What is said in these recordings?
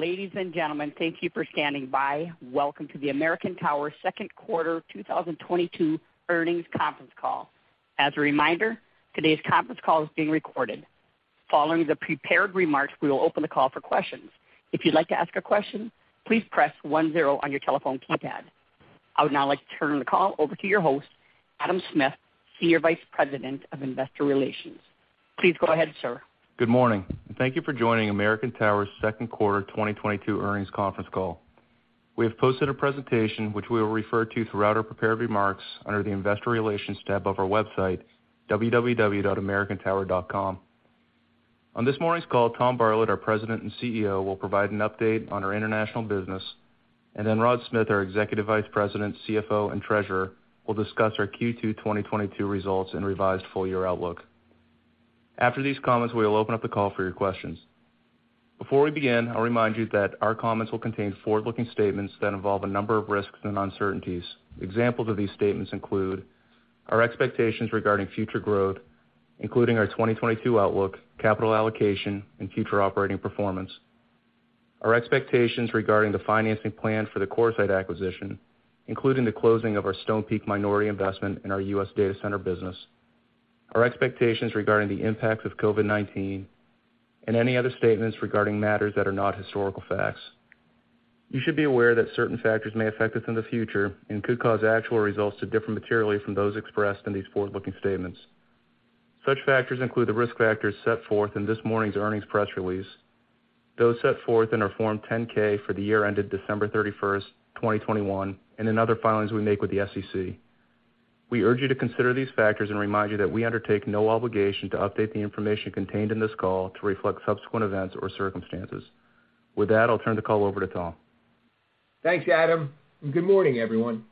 Ladies and gentlemen, thank you for standing by. Welcome to the American Tower second quarter 2022 earnings conference call. As a reminder, today's conference call is being recorded. Following the prepared remarks, we will open the call for questions. If you'd like to ask a question, please press one zero on your telephone keypad. I would now like to turn the call over to your host, Adam Smith, Senior Vice President of Investor Relations. Please go ahead, sir. Good morning, and thank you for joining American Tower's second quarter 2022 earnings conference call. We have posted a presentation, which we will refer to throughout our prepared remarks under the Investor Relations tab of our website, www.americantower.com. On this morning's call, Tom Bartlett, our President and CEO, will provide an update on our international business, and then Rod Smith, our Executive Vice President, CFO, and Treasurer, will discuss our Q2 2022 results and revised full-year outlook. After these comments, we will open up the call for your questions. Before we begin, I'll remind you that our comments will contain forward-looking statements that involve a number of risks and uncertainties. Examples of these statements include our expectations regarding future growth, including our 2022 outlook, capital allocation, and future operating performance, our expectations regarding the financing plan for the CoreSite acquisition, including the closing of our Stonepeak minority investment in our U.S. data center business, our expectations regarding the impacts of COVID-19, and any other statements regarding matters that are not historical facts. You should be aware that certain factors may affect us in the future and could cause actual results to differ materially from those expressed in these forward-looking statements. Such factors include the risk factors set forth in this morning's earnings press release, those set forth in our Form 10-K for the year ended December 31st, 2021, and in other filings we make with the SEC. We urge you to consider these factors and remind you that we undertake no obligation to update the information contained in this call to reflect subsequent events or circumstances. With that, I'll turn the call over to Tom. Thanks, Adam, and good morning, everyone.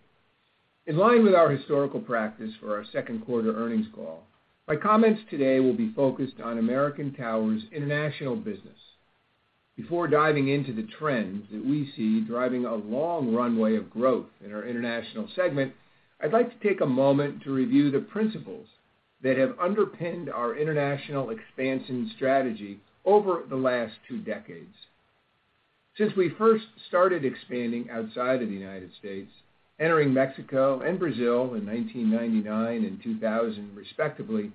In line with our historical practice for our second quarter earnings call, my comments today will be focused on American Tower's international business. Before diving into the trends that we see driving a long runway of growth in our international segment, I'd like to take a moment to review the principles that have underpinned our international expansion strategy over the last two decades. Since we first started expanding outside of the United States, entering Mexico and Brazil in 1999 and 2000 respectively,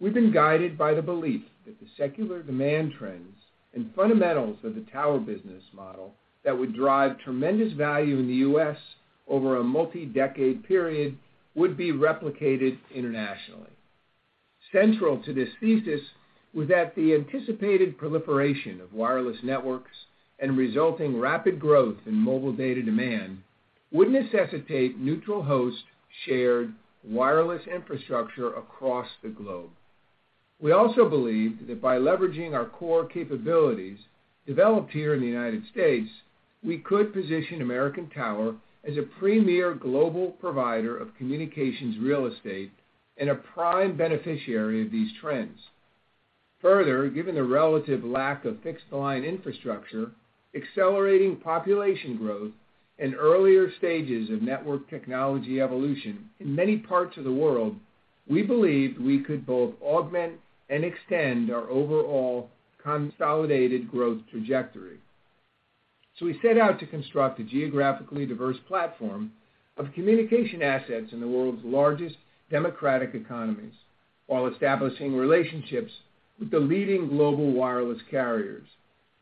we've been guided by the belief that the secular demand trends and fundamentals of the tower business model that would drive tremendous value in the U.S. over a multi-decade period would be replicated internationally. Central to this thesis was that the anticipated proliferation of wireless networks and resulting rapid growth in mobile data demand would necessitate neutral host shared wireless infrastructure across the globe. We also believed that by leveraging our core capabilities developed here in the United States, we could position American Tower as a premier global provider of communications real estate and a prime beneficiary of these trends. Further, given the relative lack of fixed line infrastructure, accelerating population growth, and earlier stages of network technology evolution in many parts of the world, we believed we could both augment and extend our overall consolidated growth trajectory. We set out to construct a geographically diverse platform of communication assets in the world's largest democratic economies while establishing relationships with the leading global wireless carriers,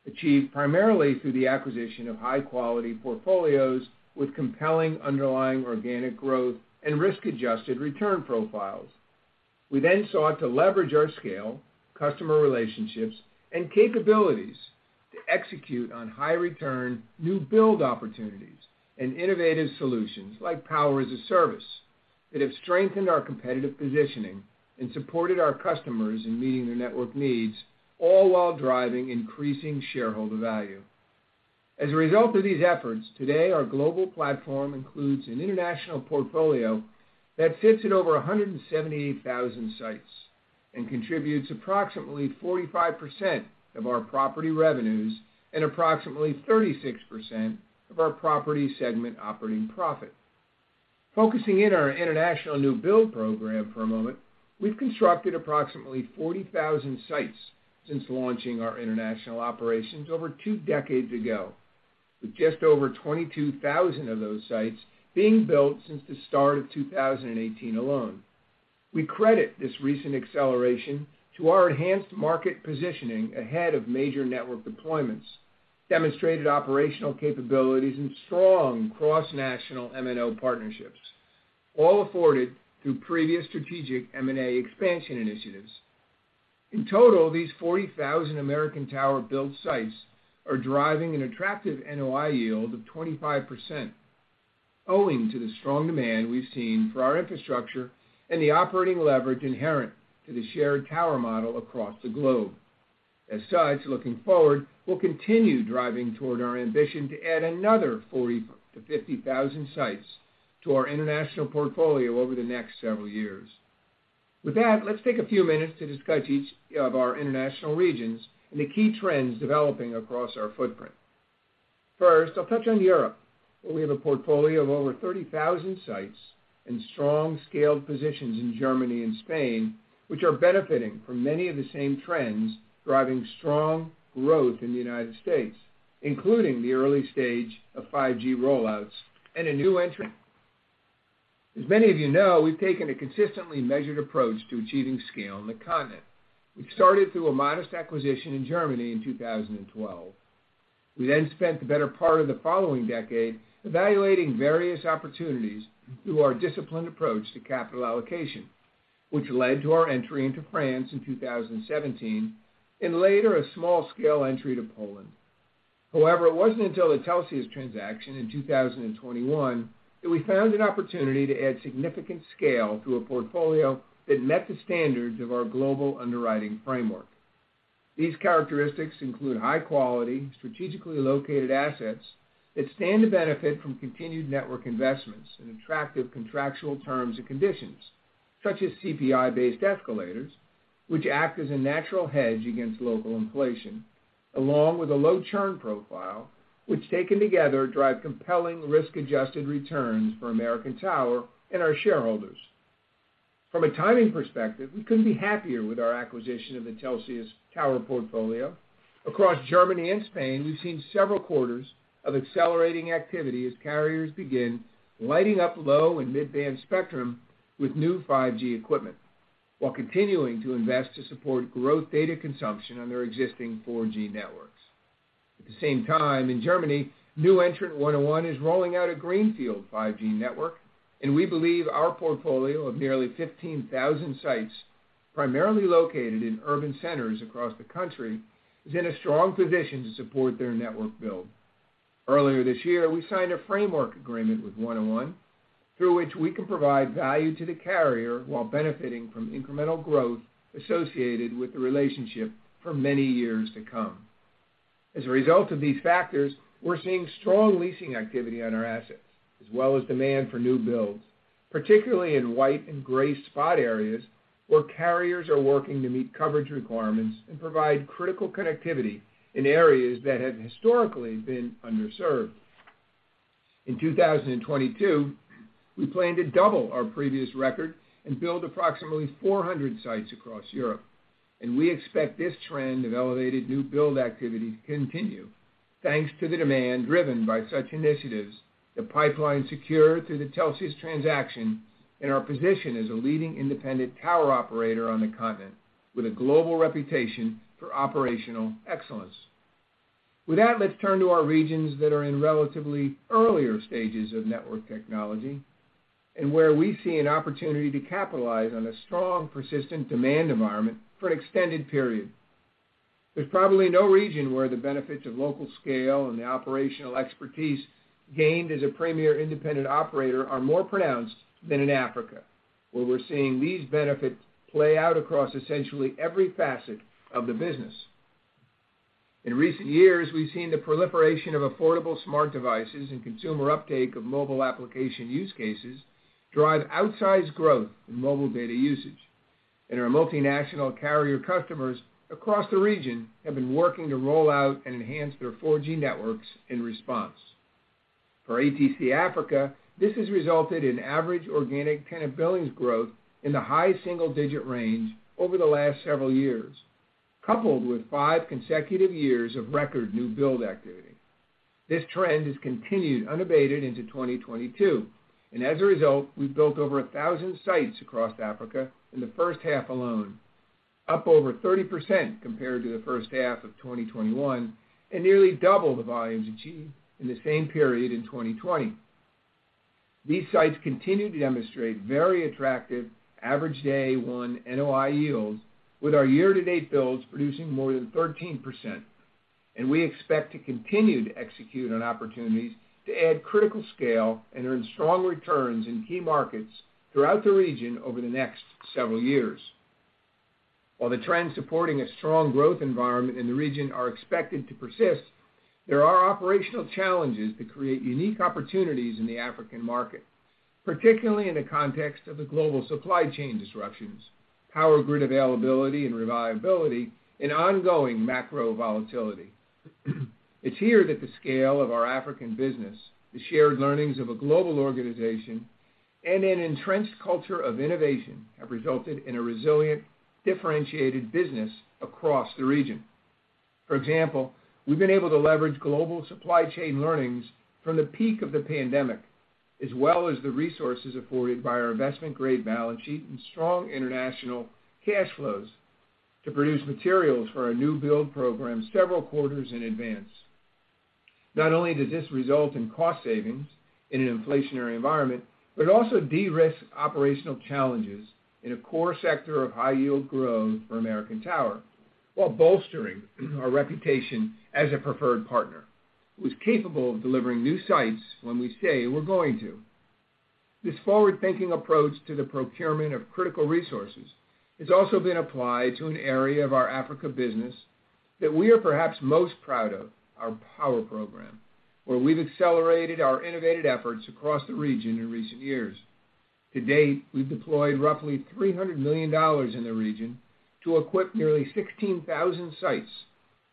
achieved primarily through the acquisition of high-quality portfolios with compelling underlying organic growth and risk-adjusted return profiles. We sought to leverage our scale, customer relationships, and capabilities to execute on high-return new build opportunities and innovative solutions like Power as a Service that have strengthened our competitive positioning and supported our customers in meeting their network needs, all while driving increasing shareholder value. As a result of these efforts, today our global platform includes an international portfolio that sits at over 178,000 sites and contributes approximately 45% of our property revenues and approximately 36% of our property segment operating profit. Focusing in our international new build program for a moment, we've constructed approximately 40,000 sites since launching our international operations over two decades ago, with just over 22,000 of those sites being built since the start of 2018 alone. We credit this recent acceleration to our enhanced market positioning ahead of major network deployments, demonstrated operational capabilities, and strong cross-national MNO partnerships, all afforded through previous strategic M&A expansion initiatives. In total, these 40,000 American Tower-built sites are driving an attractive NOI yield of 25%, owing to the strong demand we've seen for our infrastructure and the operating leverage inherent to the shared tower model across the globe. As such, looking forward, we'll continue driving toward our ambition to add another 40,000-50,000 sites to our international portfolio over the next several years. With that, let's take a few minutes to discuss each of our international regions and the key trends developing across our footprint. First, I'll touch on Europe, where we have a portfolio of over 30,000 sites and strong scaled positions in Germany and Spain, which are benefiting from many of the same trends driving strong growth in the United States, including the early stage of 5G rollouts and a new entry. As many of you know, we've taken a consistently measured approach to achieving scale on the continent. We started through a modest acquisition in Germany in 2012. We then spent the better part of the following decade evaluating various opportunities through our disciplined approach to capital allocation, which led to our entry into France in 2017 and later a small-scale entry to Poland. However, it wasn't until the Telxius transaction in 2021 that we found an opportunity to add significant scale to a portfolio that met the standards of our global underwriting framework. These characteristics include high-quality, strategically located assets that stand to benefit from continued network investments and attractive contractual terms and conditions, such as CPI-based escalators, which act as a natural hedge against local inflation, along with a low churn profile, which, taken together, drive compelling risk-adjusted returns for American Tower and our shareholders. From a timing perspective, we couldn't be happier with our acquisition of the Telxius tower portfolio. Across Germany and Spain, we've seen several quarters of accelerating activity as carriers begin lighting up low and mid-band spectrum with new 5G equipment while continuing to invest to support growth data consumption on their existing 4G networks. At the same time, in Germany, new entrant 1&1 is rolling out a greenfield 5G network, and we believe our portfolio of nearly 15,000 sites, primarily located in urban centers across the country, is in a strong position to support their network build. Earlier this year, we signed a framework agreement with 1&1 through which we can provide value to the carrier while benefiting from incremental growth associated with the relationship for many years to come. As a result of these factors, we're seeing strong leasing activity on our assets as well as demand for new builds, particularly in white and gray spot areas where carriers are working to meet coverage requirements and provide critical connectivity in areas that have historically been underserved. In 2022, we plan to double our previous record and build approximately 400 sites across Europe, and we expect this trend of elevated new build activity to continue thanks to the demand driven by such initiatives, the pipeline secured through the Telxius transaction, and our position as a leading independent tower operator on the continent with a global reputation for operational excellence. With that, let's turn to our regions that are in relatively earlier stages of network technology and where we see an opportunity to capitalize on a strong, persistent demand environment for an extended period. There's probably no region where the benefits of local scale and the operational expertise gained as a premier independent operator are more pronounced than in Africa, where we're seeing these benefits play out across essentially every facet of the business. In recent years, we've seen the proliferation of affordable smart devices and consumer uptake of mobile application use cases drive outsized growth in mobile data usage, and our multinational carrier customers across the region have been working to roll out and enhance their 4G networks in response. For ATC Africa, this has resulted in average organic tenant billings growth in the high single-digit range over the last several years, coupled with five consecutive years of record new build activity. This trend has continued unabated into 2022, and as a result, we've built over 1,000 sites across Africa in the first half alone, up over 30% compared to the first half of 2021 and nearly double the volumes achieved in the same period in 2020. These sites continue to demonstrate very attractive average day one NOI yields, with our year-to-date builds producing more than 13%. We expect to continue to execute on opportunities to add critical scale and earn strong returns in key markets throughout the region over the next several years. While the trends supporting a strong growth environment in the region are expected to persist, there are operational challenges that create unique opportunities in the African market, particularly in the context of the global supply chain disruptions, power grid availability and reliability, and ongoing macro volatility. It's here that the scale of our African business, the shared learnings of a global organization, and an entrenched culture of innovation have resulted in a resilient, differentiated business across the region. For example, we've been able to leverage global supply chain learnings from the peak of the pandemic as well as the resources afforded by our investment-grade balance sheet and strong international cash flows to produce materials for our new build program several quarters in advance. Not only does this result in cost savings in an inflationary environment, but it also de-risks operational challenges in a core sector of high-yield growth for American Tower while bolstering our reputation as a preferred partner who is capable of delivering new sites when we say we're going to. This forward-thinking approach to the procurement of critical resources has also been applied to an area of our Africa business that we are perhaps most proud of, our power program, where we've accelerated our innovative efforts across the region in recent years. To date, we've deployed roughly $300 million in the region to equip nearly 16,000 sites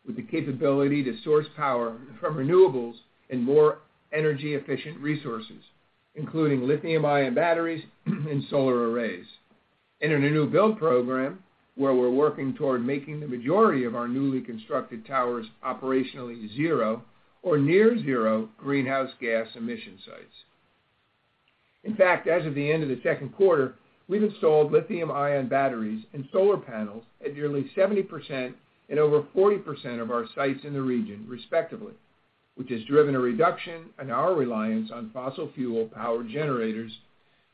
with the capability to source power from renewables and more energy-efficient resources, including lithium-ion batteries and solar arrays. In a new build program, where we're working toward making the majority of our newly constructed towers operationally zero or near zero greenhouse gas emission sites. In fact, as of the end of the second quarter, we've installed lithium-ion batteries and solar panels at nearly 70% and over 40% of our sites in the region, respectively, which has driven a reduction in our reliance on fossil fuel power generators,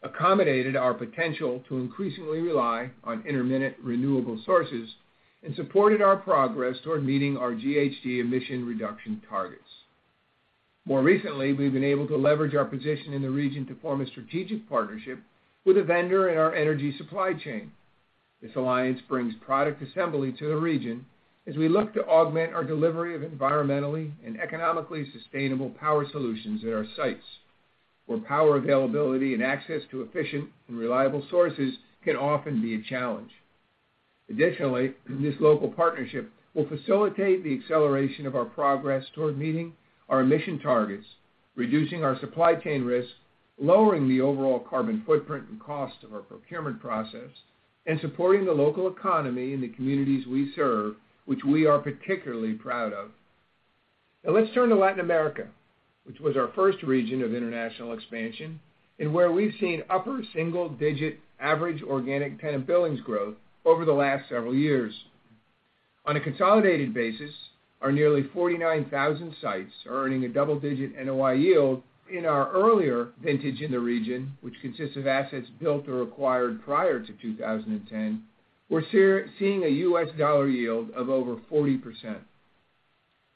accommodated our potential to increasingly rely on intermittent renewable sources, and supported our progress toward meeting our GHG emission reduction targets. More recently, we've been able to leverage our position in the region to form a strategic partnership with a vendor in our energy supply chain. This alliance brings product assembly to the region as we look to augment our delivery of environmentally and economically sustainable power solutions at our sites, where power availability and access to efficient and reliable sources can often be a challenge. Additionally, this local partnership will facilitate the acceleration of our progress toward meeting our emission targets, reducing our supply chain risks, lowering the overall carbon footprint and cost of our procurement process, and supporting the local economy in the communities we serve, which we are particularly proud of. Now let's turn to Latin America, which was our first region of international expansion and where we've seen upper single-digit average organic tenant billings growth over the last several years. On a consolidated basis, our nearly 49,000 sites are earning a double-digit NOI yield in our earlier vintage in the region, which consists of assets built or acquired prior to 2010. We're seeing a U.S. dollar yield of over 40%.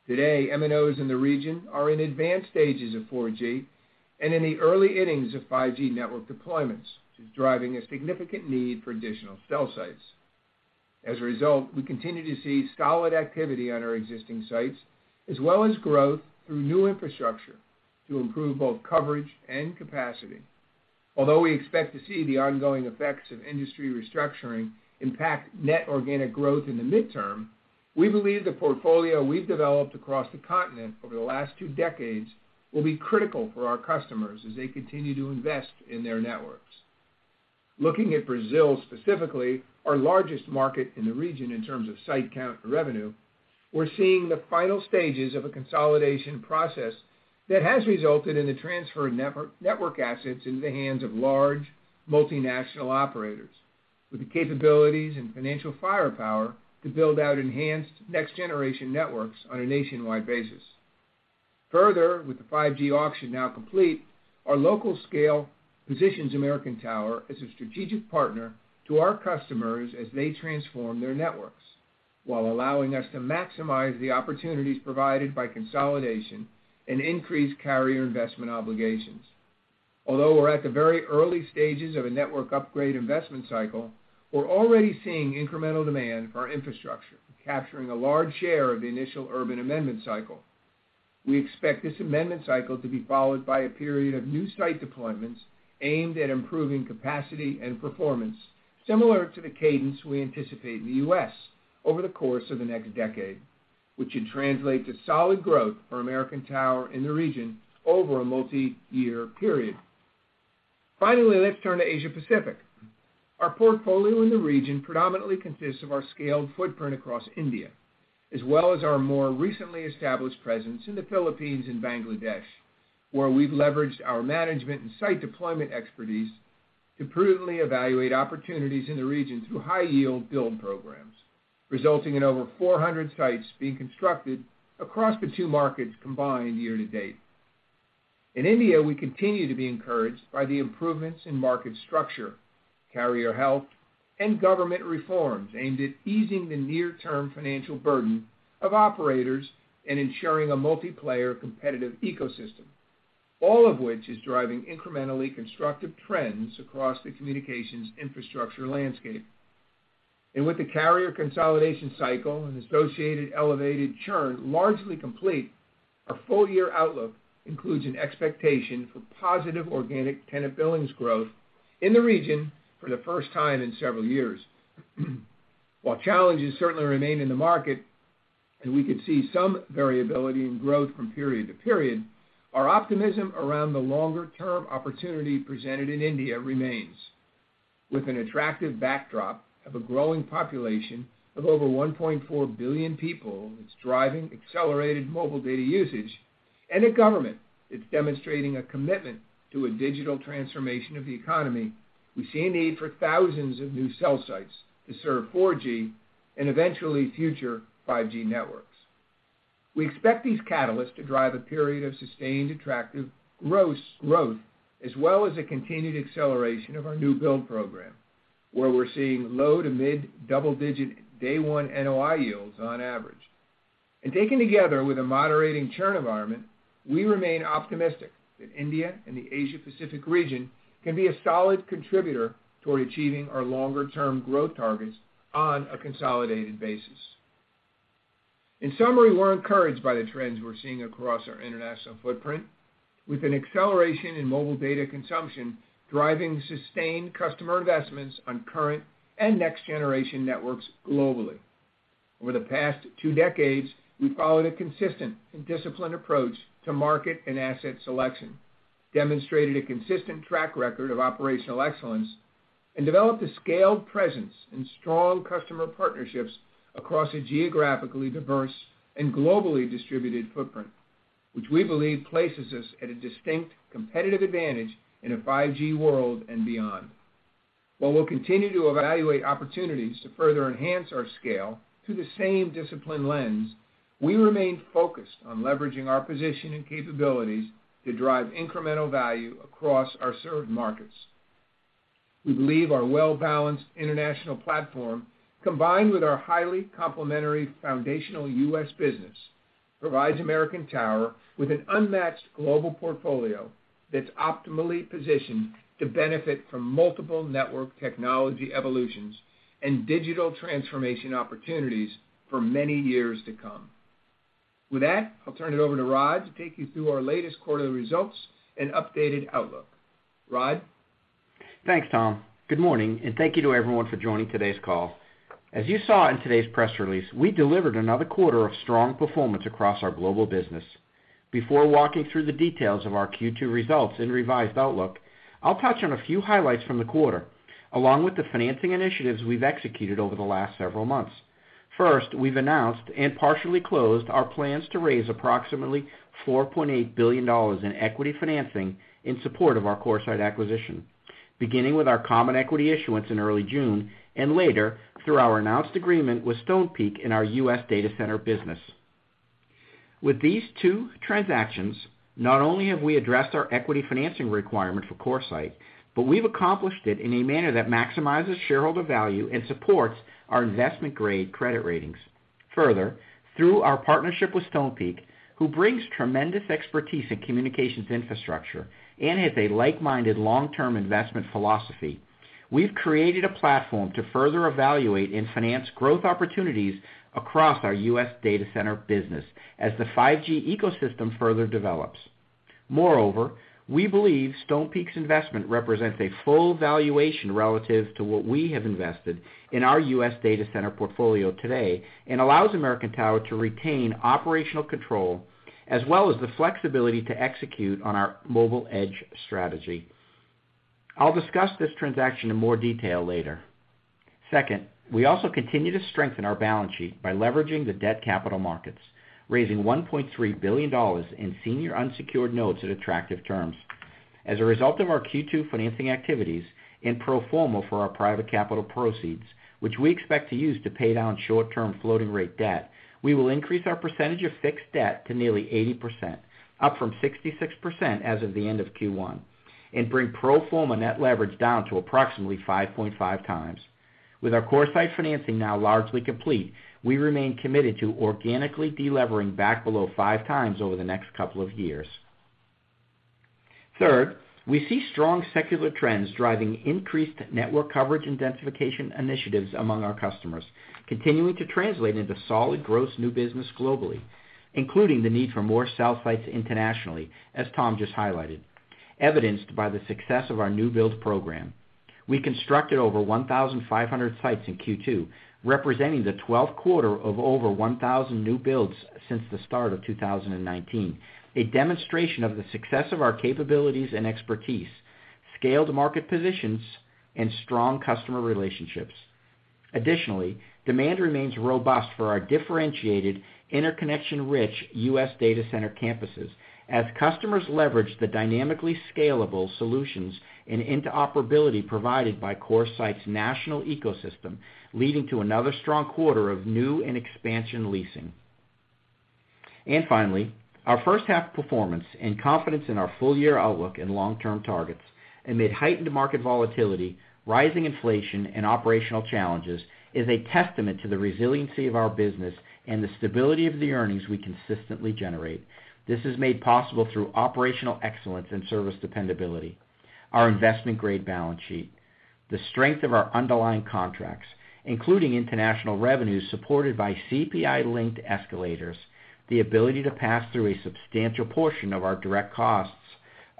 Today, MNOs in the region are in advanced stages of 4G and in the early innings of 5G network deployments, driving a significant need for additional cell sites. As a result, we continue to see solid activity on our existing sites as well as growth through new infrastructure to improve both coverage and capacity. Although we expect to see the ongoing effects of industry restructuring impact net organic growth in the midterm, we believe the portfolio we've developed across the continent over the last two decades will be critical for our customers as they continue to invest in their networks. Looking at Brazil specifically, our largest market in the region in terms of site count and revenue, we're seeing the final stages of a consolidation process that has resulted in the transfer of network assets into the hands of large multinational operators with the capabilities and financial firepower to build out enhanced next-generation networks on a nationwide basis. Further, with the 5G auction now complete, our local scale positions American Tower as a strategic partner to our customers as they transform their networks while allowing us to maximize the opportunities provided by consolidation and increased carrier investment obligations. Although we're at the very early stages of a network upgrade investment cycle, we're already seeing incremental demand for our infrastructure, capturing a large share of the initial urban amendment cycle. We expect this amendment cycle to be followed by a period of new site deployments aimed at improving capacity and performance, similar to the cadence we anticipate in the U.S. over the course of the next decade, which should translate to solid growth for American Tower in the region over a multiyear period. Finally, let's turn to Asia Pacific. Our portfolio in the region predominantly consists of our scaled footprint across India, as well as our more recently established presence in the Philippines and Bangladesh, where we've leveraged our management and site deployment expertise to prudently evaluate opportunities in the region through high-yield build programs, resulting in over 400 sites being constructed across the two markets combined year-to-date. In India, we continue to be encouraged by the improvements in market structure, carrier health, and government reforms aimed at easing the near-term financial burden of operators and ensuring a multiplayer competitive ecosystem, all of which is driving incrementally constructive trends across the communications infrastructure landscape. With the carrier consolidation cycle and associated elevated churn largely complete, our full-year outlook includes an expectation for positive organic tenant billings growth in the region for the first time in several years. While challenges certainly remain in the market and we could see some variability in growth from period to period, our optimism around the longer-term opportunity presented in India remains. With an attractive backdrop of a growing population of over 1.4 billion people that's driving accelerated mobile data usage and a government that's demonstrating a commitment to a digital transformation of the economy, we see a need for thousands of new cell sites to serve 4G and eventually future 5G networks. We expect these catalysts to drive a period of sustained attractive growth as well as a continued acceleration of our new build program, where we're seeing low to mid double-digit day one NOI yields on average. Taken together with a moderating churn environment, we remain optimistic that India and the Asia Pacific region can be a solid contributor toward achieving our longer-term growth targets on a consolidated basis. In summary, we're encouraged by the trends we're seeing across our international footprint, with an acceleration in mobile data consumption driving sustained customer investments on current and next-generation networks globally. Over the past two decades, we've followed a consistent and disciplined approach to market and asset selection, demonstrated a consistent track record of operational excellence, and developed a scaled presence and strong customer partnerships across a geographically diverse and globally distributed footprint, which we believe places us at a distinct competitive advantage in a 5G world and beyond. While we'll continue to evaluate opportunities to further enhance our scale through the same disciplined lens, we remain focused on leveraging our position and capabilities to drive incremental value across our served markets. We believe our well-balanced international platform, combined with our highly complementary foundational U.S. business, provides American Tower with an unmatched global portfolio that's optimally positioned to benefit from multiple network technology evolutions and digital transformation opportunities for many years to come. With that, I'll turn it over to Rod to take you through our latest quarterly results and updated outlook. Rod? Thanks, Tom. Good morning, and thank you to everyone for joining today's call. As you saw in today's press release, we delivered another quarter of strong performance across our global business. Before walking through the details of our Q2 results and revised outlook, I'll touch on a few highlights from the quarter, along with the financing initiatives we've executed over the last several months. First, we've announced and partially closed our plans to raise approximately $4.8 billion in equity financing in support of our CoreSite acquisition, beginning with our common equity issuance in early June and later through our announced agreement with Stonepeak in our U.S. data center business. With these two transactions, not only have we addressed our equity financing requirement for CoreSite, but we've accomplished it in a manner that maximizes shareholder value and supports our investment-grade credit ratings. Further, through our partnership with Stonepeak, who brings tremendous expertise in communications infrastructure and has a like-minded long-term investment philosophy, we've created a platform to further evaluate and finance growth opportunities across our U.S. data center business as the 5G ecosystem further develops. Moreover, we believe Stonepeak's investment represents a full valuation relative to what we have invested in our U.S. data center portfolio today and allows American Tower to retain operational control as well as the flexibility to execute on our mobile edge strategy. I'll discuss this transaction in more detail later. Second, we also continue to strengthen our balance sheet by leveraging the debt capital markets, raising $1.3 billion in senior unsecured notes at attractive terms. As a result of our Q2 financing activities and pro forma for our private capital proceeds, which we expect to use to pay down short-term floating rate debt, we will increase our percentage of fixed debt to nearly 80%, up from 66% as of the end of Q1, and bring pro forma net leverage down to approximately 5.5x. With our CoreSite financing now largely complete, we remain committed to organically de-levering back below 5x over the next couple of years. Third, we see strong secular trends driving increased network coverage and densification initiatives among our customers, continuing to translate into solid gross new business globally, including the need for more cell sites internationally, as Tom just highlighted, evidenced by the success of our new build program. We constructed over 1,500 sites in Q2, representing the 12th quarter of over 1,000 new builds since the start of 2019, a demonstration of the success of our capabilities and expertise, scaled market positions, and strong customer relationships. Additionally, demand remains robust for our differentiated interconnection-rich U.S. data center campuses as customers leverage the dynamically scalable solutions and interoperability provided by CoreSite's national ecosystem, leading to another strong quarter of new and expansion leasing. Our first half performance and confidence in our full year outlook and long-term targets amid heightened market volatility, rising inflation, and operational challenges is a testament to the resiliency of our business and the stability of the earnings we consistently generate. This is made possible through operational excellence and service dependability, our investment-grade balance sheet, the strength of our underlying contracts, including international revenues supported by CPI-linked escalators, the ability to pass through a substantial portion of our direct costs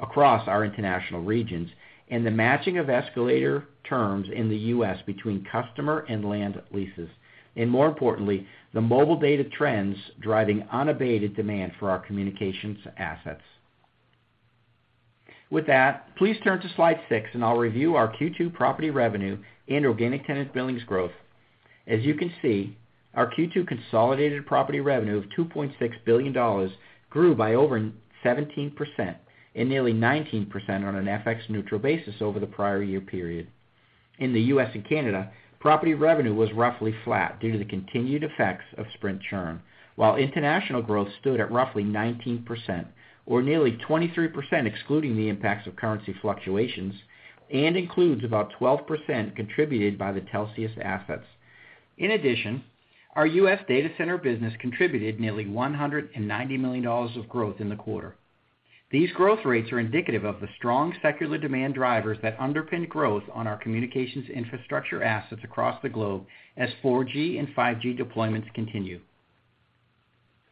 across our international regions, and the matching of escalator terms in the U.S. between customer and land leases, and more importantly, the mobile data trends driving unabated demand for our communications assets. With that, please turn to slide six and I'll review our Q2 property revenue and organic tenant billings growth. As you can see, our Q2 consolidated property revenue of $2.6 billion grew by over 17% and nearly 19% on an FX neutral basis over the prior year period. In the U.S. and Canada, property revenue was roughly flat due to the continued effects of Sprint churn, while international growth stood at roughly 19% or nearly 23% excluding the impacts of currency fluctuations and includes about 12% contributed by the Telxius assets. In addition, our U.S. data center business contributed nearly $190 million of growth in the quarter. These growth rates are indicative of the strong secular demand drivers that underpin growth on our communications infrastructure assets across the globe as 4G and 5G deployments continue.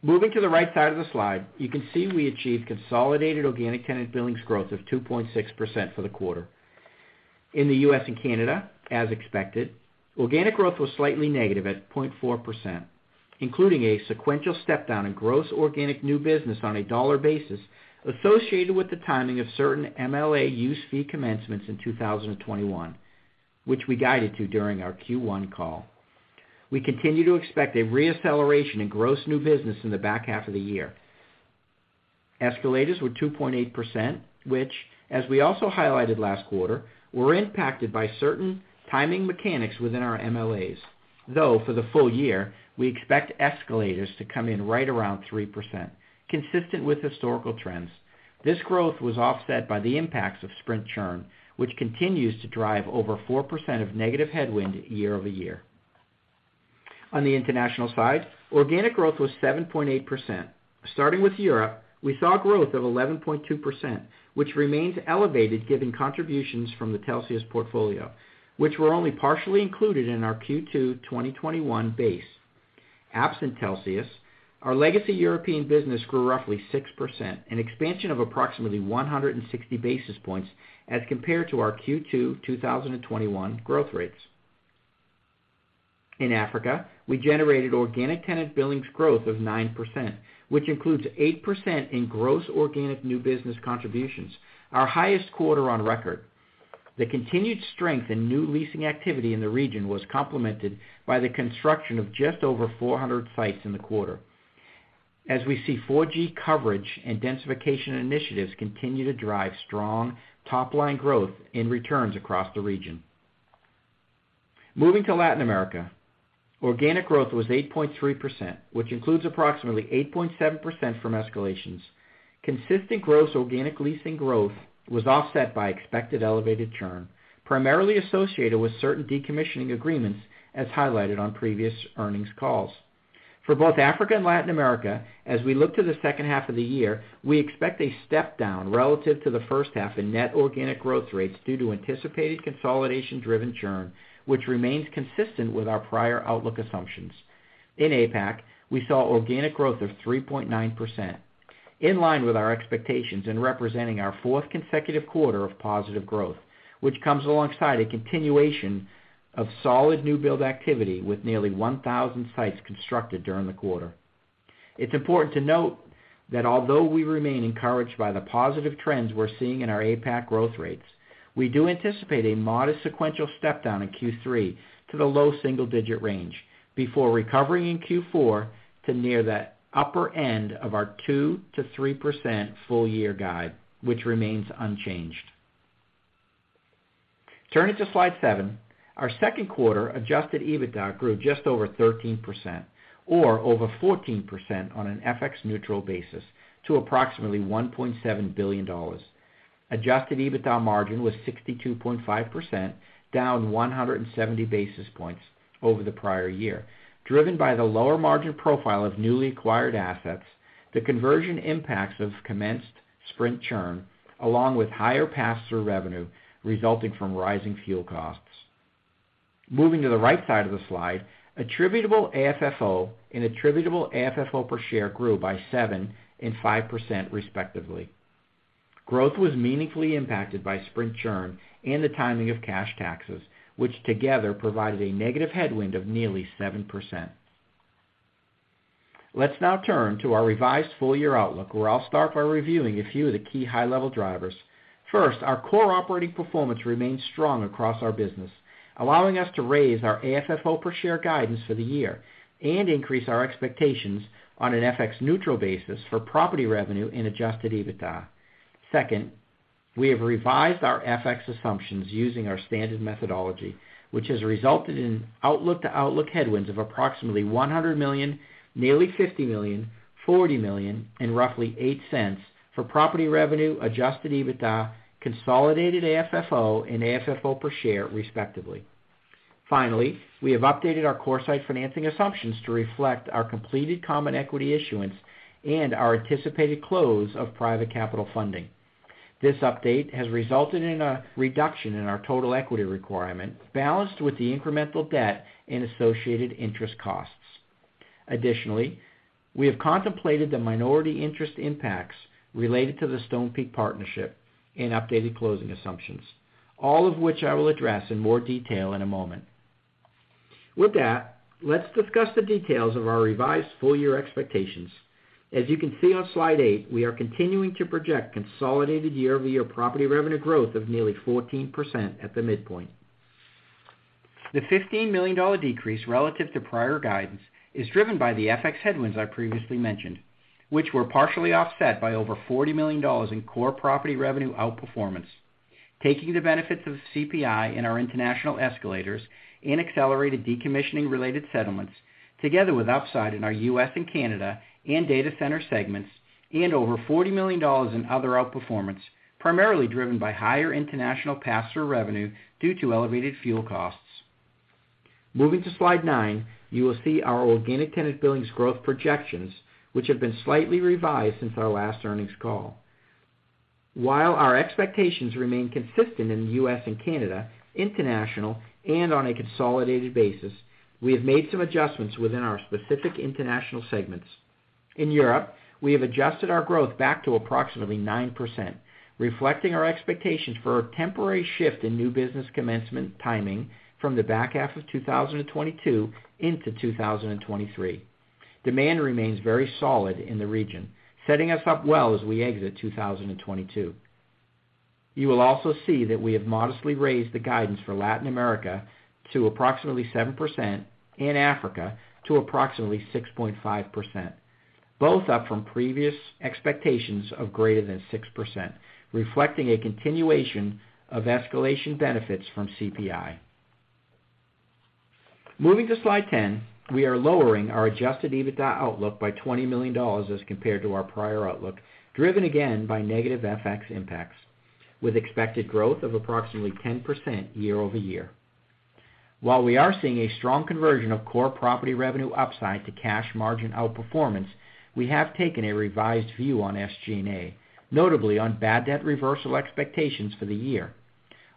Moving to the right side of the slide, you can see we achieved consolidated organic tenant billings growth of 2.6% for the quarter. In the U.S. and Canada, as expected, organic growth was slightly negative at 0.4%, including a sequential step down in gross organic new business on a dollar basis associated with the timing of certain MLA use fee commencements in 2021, which we guided to during our Q1 call. We continue to expect a re-acceleration in gross new business in the back half of the year. Escalators were 2.8%, which as we also highlighted last quarter, were impacted by certain timing mechanics within our MLAs. Though, for the full year, we expect escalators to come in right around 3%, consistent with historical trends. This growth was offset by the impacts of Sprint churn, which continues to drive over 4% of negative headwind year-over-year. On the international side, organic growth was 7.8%. Starting with Europe, we saw growth of 11.2%, which remains elevated given contributions from the Telxius portfolio, which were only partially included in our Q2 2021 base. Absent Telxius, our legacy European business grew roughly 6%, an expansion of approximately 160 basis points as compared to our Q2 2021 growth rates. In Africa, we generated organic tenant billings growth of 9%, which includes 8% in gross organic new business contributions, our highest quarter on record. The continued strength in new leasing activity in the region was complemented by the construction of just over 400 sites in the quarter. As we see 4G coverage and densification initiatives continue to drive strong top-line growth and returns across the region. Moving to Latin America, organic growth was 8.3%, which includes approximately 8.7% from escalations. Consistent gross organic leasing growth was offset by expected elevated churn, primarily associated with certain decommissioning agreements, as highlighted on previous earnings calls. For both Africa and Latin America, as we look to the second half of the year, we expect a step down relative to the first half in net organic growth rates due to anticipated consolidation driven churn, which remains consistent with our prior outlook assumptions. In APAC, we saw organic growth of 3.9%, in line with our expectations and representing our fourth consecutive quarter of positive growth, which comes alongside a continuation of solid new build activity with nearly 1,000 sites constructed during the quarter. It's important to note that although we remain encouraged by the positive trends we're seeing in our APAC growth rates, we do anticipate a modest sequential step down in Q3 to the low single-digit range before recovering in Q4 to near the upper end of our 2%-3% full year guide, which remains unchanged. Turning to slide seven, our second quarter adjusted EBITDA grew just over 13% or over 14% on an FX neutral basis to approximately $1.7 billion. Adjusted EBITDA margin was 62.5%, down 170 basis points over the prior year, driven by the lower margin profile of newly acquired assets, the conversion impacts of commenced Sprint churn, along with higher pass-through revenue resulting from rising fuel costs. Moving to the right side of the slide, attributable AFFO and attributable AFFO per share grew by 7% and 5%, respectively. Growth was meaningfully impacted by Sprint churn and the timing of cash taxes, which together provided a negative headwind of nearly 7%. Let's now turn to our revised full year outlook, where I'll start by reviewing a few of the key high-level drivers. First, our core operating performance remains strong across our business, allowing us to raise our AFFO per share guidance for the year and increase our expectations on an FX neutral basis for property revenue and adjusted EBITDA. Second, we have revised our FX assumptions using our standard methodology, which has resulted in outlook to outlook headwinds of approximately $100 million, nearly $50 million, $40 million, and roughly $0.08 for property revenue, adjusted EBITDA, consolidated AFFO, and AFFO per share, respectively. Finally, we have updated our core site financing assumptions to reflect our completed common equity issuance and our anticipated close of private capital funding. This update has resulted in a reduction in our total equity requirement balanced with the incremental debt and associated interest costs. Additionally, we have contemplated the minority interest impacts related to the Stonepeak partnership in updated closing assumptions, all of which I will address in more detail in a moment. With that, let's discuss the details of our revised full year expectations. As you can see on slide eight, we are continuing to project consolidated year-over-year property revenue growth of nearly 14% at the midpoint. The $15 million decrease relative to prior guidance is driven by the FX headwinds I previously mentioned, which were partially offset by over $40 million in core property revenue outperformance. Taking the benefits of CPI in our international escalators and accelerated decommissioning related settlements, together with upside in our U.S. and Canada and data center segments and over $40 million in other outperformance, primarily driven by higher international pass-through revenue due to elevated fuel costs. Moving to slide nine, you will see our organic tenant billings growth projections, which have been slightly revised since our last earnings call. While our expectations remain consistent in the U.S. and Canada, international and on a consolidated basis, we have made some adjustments within our specific international segments. In Europe, we have adjusted our growth back to approximately 9%, reflecting our expectations for a temporary shift in new business commencement timing from the back half of 2022 into 2023. Demand remains very solid in the region, setting us up well as we exit 2022. You will also see that we have modestly raised the guidance for Latin America to approximately 7% and Africa to approximately 6.5%, both up from previous expectations of greater than 6%, reflecting a continuation of escalation benefits from CPI. Moving to slide 10, we are lowering our adjusted EBITDA outlook by $20 million as compared to our prior outlook, driven again by negative FX impacts, with expected growth of approximately 10% year-over-year. While we are seeing a strong conversion of core property revenue upside to cash margin outperformance, we have taken a revised view on SG&A, notably on bad debt reversal expectations for the year.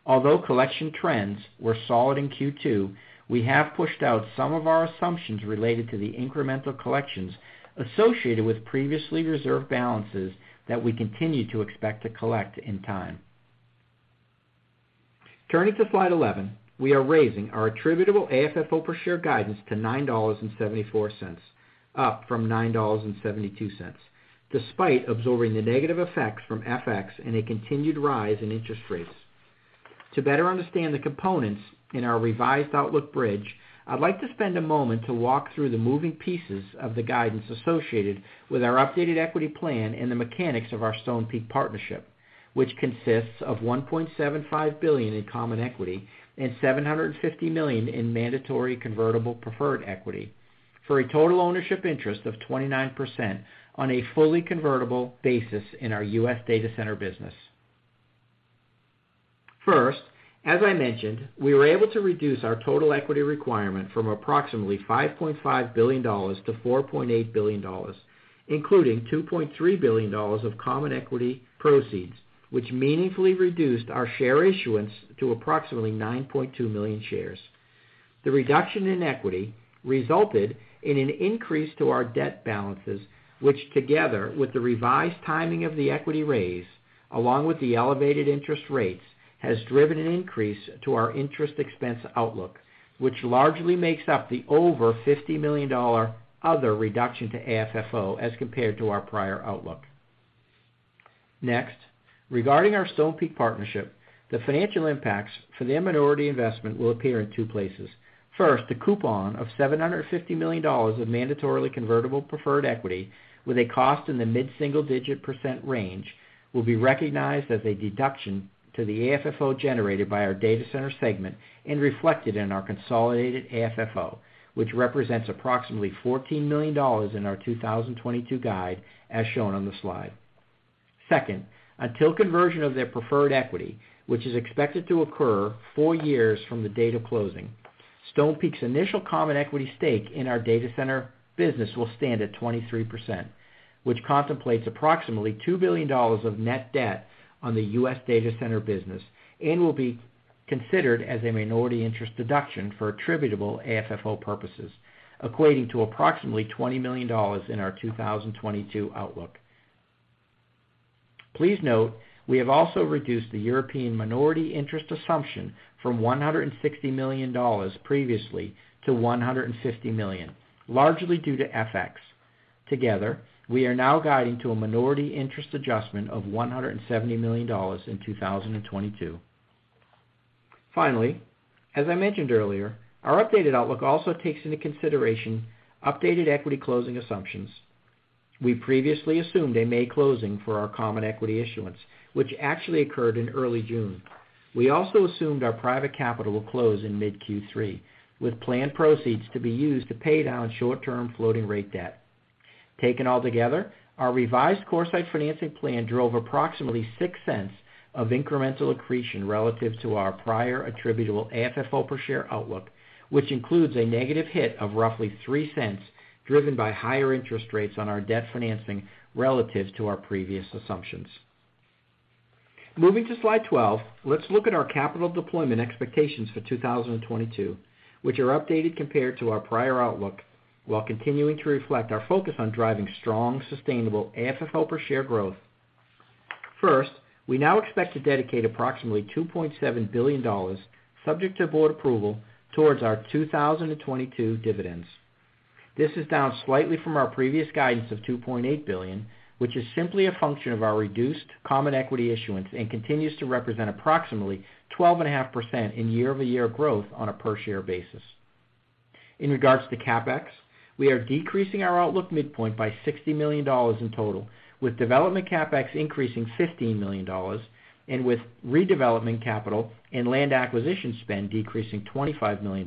Although collection trends were solid in Q2, we have pushed out some of our assumptions related to the incremental collections associated with previously reserved balances that we continue to expect to collect in time. Turning to slide 11, we are raising our attributable AFFO per share guidance to $9.74, up from $9.72, despite absorbing the negative effects from FX and a continued rise in interest rates. To better understand the components in our revised outlook bridge, I'd like to spend a moment to walk through the moving pieces of the guidance associated with our updated equity plan and the mechanics of our Stonepeak partnership, which consists of $1.75 billion in common equity and $750 million in mandatory convertible preferred equity, for a total ownership interest of 29% on a fully convertible basis in our U.S. data center business. First, as I mentioned, we were able to reduce our total equity requirement from approximately $5.5 billion-$4.8 billion, including $2.3 billion of common equity proceeds, which meaningfully reduced our share issuance to approximately 9.2 million shares. The reduction in equity resulted in an increase to our debt balances, which together with the revised timing of the equity raise, along with the elevated interest rates, has driven an increase to our interest expense outlook, which largely makes up the over $50 million other reduction to AFFO as compared to our prior outlook. Next, regarding our Stonepeak partnership, the financial impacts for their minority investment will appear in two places. First, the coupon of $750 million of mandatorily convertible preferred equity with a cost in the mid-single digit percent range will be recognized as a deduction to the AFFO generated by our data center segment and reflected in our consolidated AFFO, which represents approximately $14 million in our 2022 guide, as shown on the slide. Second, until conversion of their preferred equity, which is expected to occur four years from the date of closing, Stonepeak's initial common equity stake in our data center business will stand at 23%, which contemplates approximately $2 billion of net debt on the U.S. data center business and will be considered as a minority interest deduction for attributable AFFO purposes, equating to approximately $20 million in our 2022 outlook. Please note, we have also reduced the European minority interest assumption from $160 million previously to $150 million, largely due to FX. Together, we are now guiding to a minority interest adjustment of $170 million in 2022. Finally, as I mentioned earlier, our updated outlook also takes into consideration updated equity closing assumptions. We previously assumed a May closing for our common equity issuance, which actually occurred in early June. We also assumed our private capital will close in mid Q3, with planned proceeds to be used to pay down short-term floating rate debt. Taken all together, our revised CoreSite financing plan drove approximately $0.06 of incremental accretion relative to our prior attributable AFFO per share outlook, which includes a negative hit of roughly $0.03, driven by higher interest rates on our debt financing relative to our previous assumptions. Moving to slide 12, let's look at our capital deployment expectations for 2022, which are updated compared to our prior outlook, while continuing to reflect our focus on driving strong, sustainable AFFO per share growth. First, we now expect to dedicate approximately $2.7 billion, subject to board approval, towards our 2022 dividends. This is down slightly from our previous guidance of $2.8 billion, which is simply a function of our reduced common equity issuance and continues to represent approximately 12.5% year-over-year growth on a per share basis. In regards to CapEx, we are decreasing our outlook midpoint by $60 million in total, with development CapEx increasing $15 million and with redevelopment capital and land acquisition spend decreasing $25 million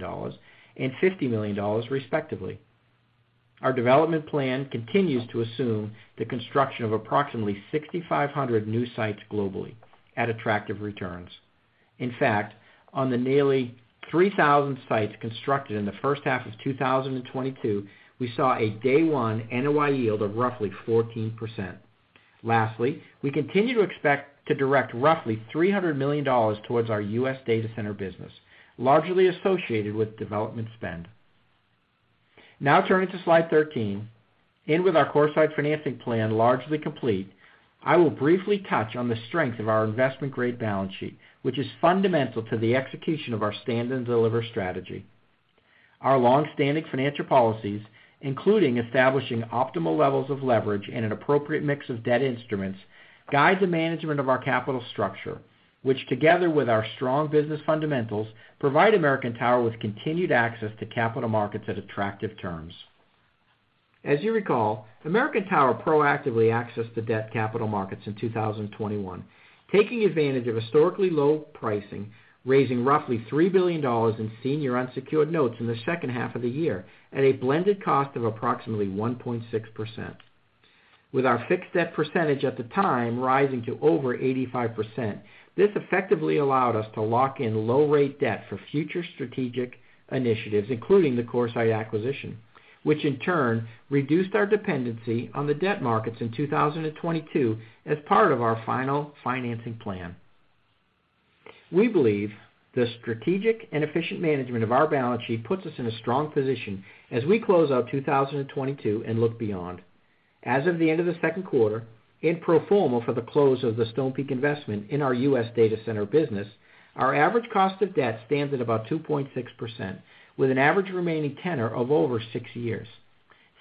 and $50 million, respectively. Our development plan continues to assume the construction of approximately 6,500 new sites globally at attractive returns. In fact, on the nearly 3,000 sites constructed in the first half of 2022, we saw a day one NOI yield of roughly 14%. Lastly, we continue to expect to direct roughly $300 million towards our U.S. data center business, largely associated with development spend. Now turning to slide 13, with our CoreSite financing plan largely complete, I will briefly touch on the strength of our investment-grade balance sheet, which is fundamental to the execution of our stand and deliver strategy. Our long-standing financial policies, including establishing optimal levels of leverage and an appropriate mix of debt instruments, guide the management of our capital structure, which together with our strong business fundamentals, provide American Tower with continued access to capital markets at attractive terms. As you recall, American Tower proactively accessed the debt capital markets in 2021, taking advantage of historically low pricing, raising roughly $3 billion in senior unsecured notes in the second half of the year at a blended cost of approximately 1.6%. With our fixed debt percentage at the time rising to over 85%, this effectively allowed us to lock in low rate debt for future strategic initiatives, including the CoreSite acquisition, which in turn reduced our dependency on the debt markets in 2022 as part of our final financing plan. We believe the strategic and efficient management of our balance sheet puts us in a strong position as we close out 2022 and look beyond. As of the end of the second quarter, in pro forma for the close of the Stonepeak investment in our U.S. data center business, our average cost of debt stands at about 2.6%, with an average remaining tenor of over six years.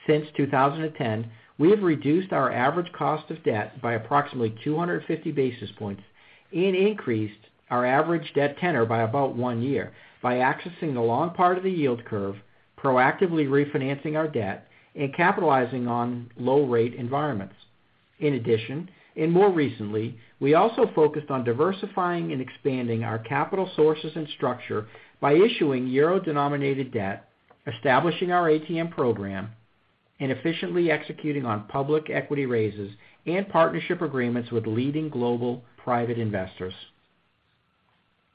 Since 2010, we have reduced our average cost of debt by approximately 250 basis points and increased our average debt tenor by about one year by accessing the long part of the yield curve, proactively refinancing our debt, and capitalizing on low rate environments. In addition, and more recently, we also focused on diversifying and expanding our capital sources and structure by issuing euro-denominated debt, establishing our ATM program, and efficiently executing on public equity raises and partnership agreements with leading global private investors.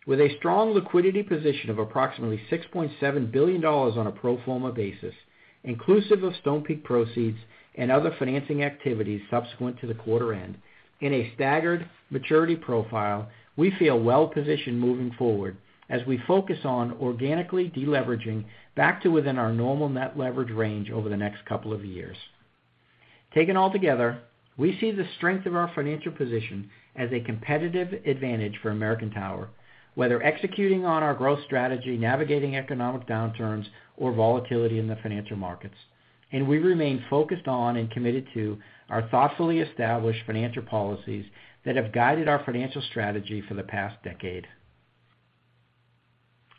With a strong liquidity position of approximately $6.7 billion on a pro forma basis, inclusive of Stonepeak proceeds and other financing activities subsequent to the quarter end in a staggered maturity profile, we feel well positioned moving forward as we focus on organically deleveraging back to within our normal net leverage range over the next couple of years. Taken all together, we see the strength of our financial position as a competitive advantage for American Tower, whether executing on our growth strategy, navigating economic downturns, or volatility in the financial markets. We remain focused on and committed to our thoughtfully established financial policies that have guided our financial strategy for the past decade.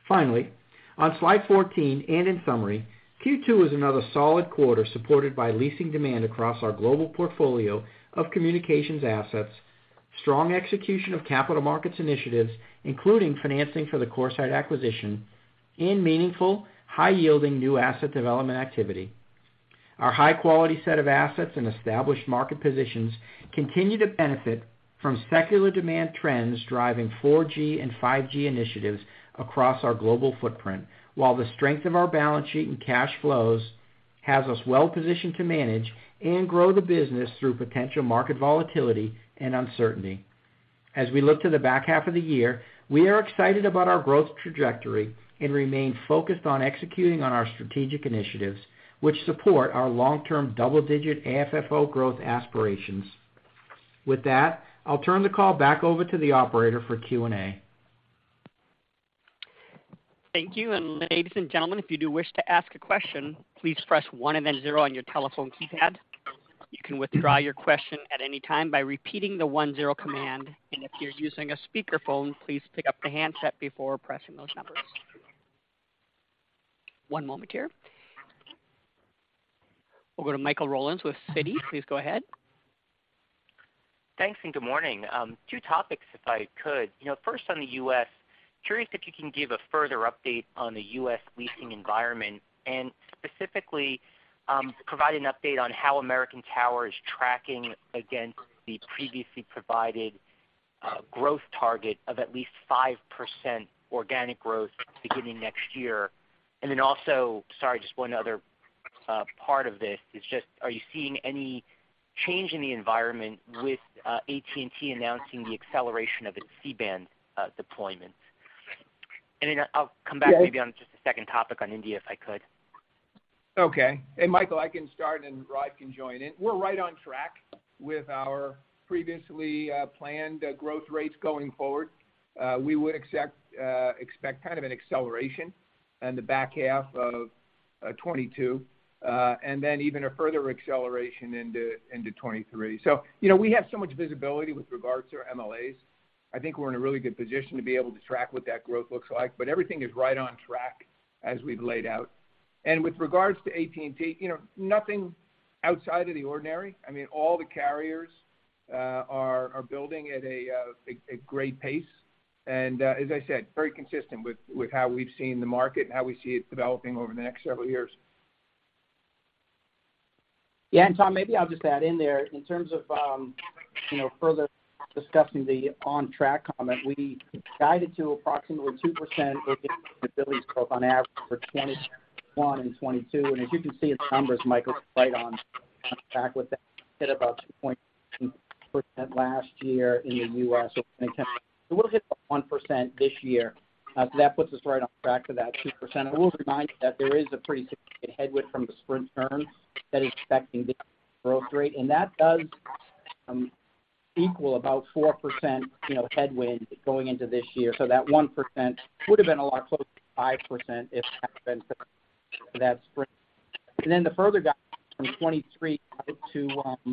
Finally, on slide 14 and in summary, Q2 was another solid quarter supported by leasing demand across our global portfolio of communications assets, strong execution of capital markets initiatives, including financing for the CoreSite acquisition and meaningful, high-yielding new asset development activity. Our high quality set of assets and established market positions continue to benefit from secular demand trends driving 4G and 5G initiatives across our global footprint, while the strength of our balance sheet and cash flows has us well positioned to manage and grow the business through potential market volatility and uncertainty. As we look to the back half of the year, we are excited about our growth trajectory and remain focused on executing on our strategic initiatives, which support our long-term double-digit AFFO growth aspirations. With that, I'll turn the call back over to the operator for Q&A. Thank you. Ladies and gentlemen, if you do wish to ask a question, please press one and then zero on your telephone keypad. You can withdraw your question at any time by repeating the one-zero command. If you're using a speakerphone, please pick up the handset before pressing those numbers. One moment here. We'll go to Michael Rollins with Citi. Please go ahead. Thanks, good morning. Two topics, if I could. You know, first on the U.S., curious if you can give a further update on the U.S. leasing environment and specifically, provide an update on how American Tower is tracking against the previously provided growth target of at least 5% organic growth beginning next year. Sorry, just one other part of this is just, are you seeing any change in the environment with AT&T announcing the acceleration of its C-band deployment? I'll come back maybe on just a second topic on India, if I could. Okay. Michael, I can start, and Rod can join in. We're right on track with our previously planned growth rates going forward. We expect kind of an acceleration in the back half of 2022, and then even a further acceleration into 2023. You know, we have so much visibility with regards to our MLAs. I think we're in a really good position to be able to track what that growth looks like. Everything is right on track as we've laid out. With regards to AT&T, you know, nothing, outside of the ordinary. I mean, all the carriers are building at a great pace. As I said, very consistent with how we've seen the market and how we see it developing over the next several years. Yeah. Tom, maybe I'll just add in there, in terms of, you know, further discussing the on track comment, we guided to approximately 2% both on average for 2021 and 2022. As you can see, its numbers, Mike, look right on with that. Hit about 2% last year in the U.S. We'll hit 1% this year. That puts us right on track for that 2%. I will remind you that there is a pretty significant headwind from the Sprint churn that is affecting the growth rate, and that does equal about 4%, you know, headwind going into this year. That 1% would have been a lot closer to 5% if that Sprint. The further guide from 2023 to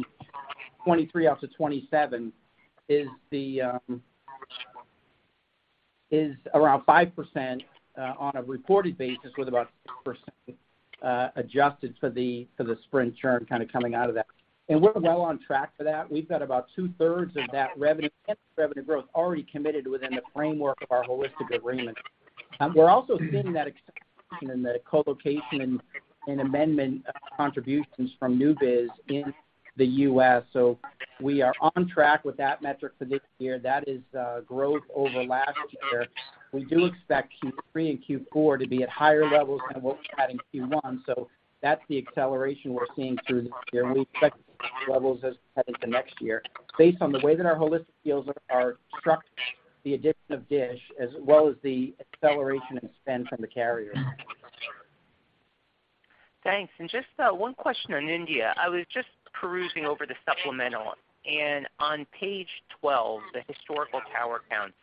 2027 is around 5%, on a reported basis, with about 6% adjusted for the Sprint churn kind of coming out of that. We're well on track for that. We've got about 2/3 of that revenue growth already committed within the framework of our holistic agreement. We're also seeing that expansion in the colocation and amendment contributions from new biz in the U.S. We are on track with that metric for this year. That is growth over last year. We do expect Q3 and Q4 to be at higher levels than what we've had in Q1, that's the acceleration we're seeing through this year. We expect levels as we head into next year based on the way that our holistic deals are structured, the addition of Dish, as well as the acceleration in spend from the carriers. Thanks. Just one question on India. I was just perusing over the supplemental, and on page 12, the historical tower count,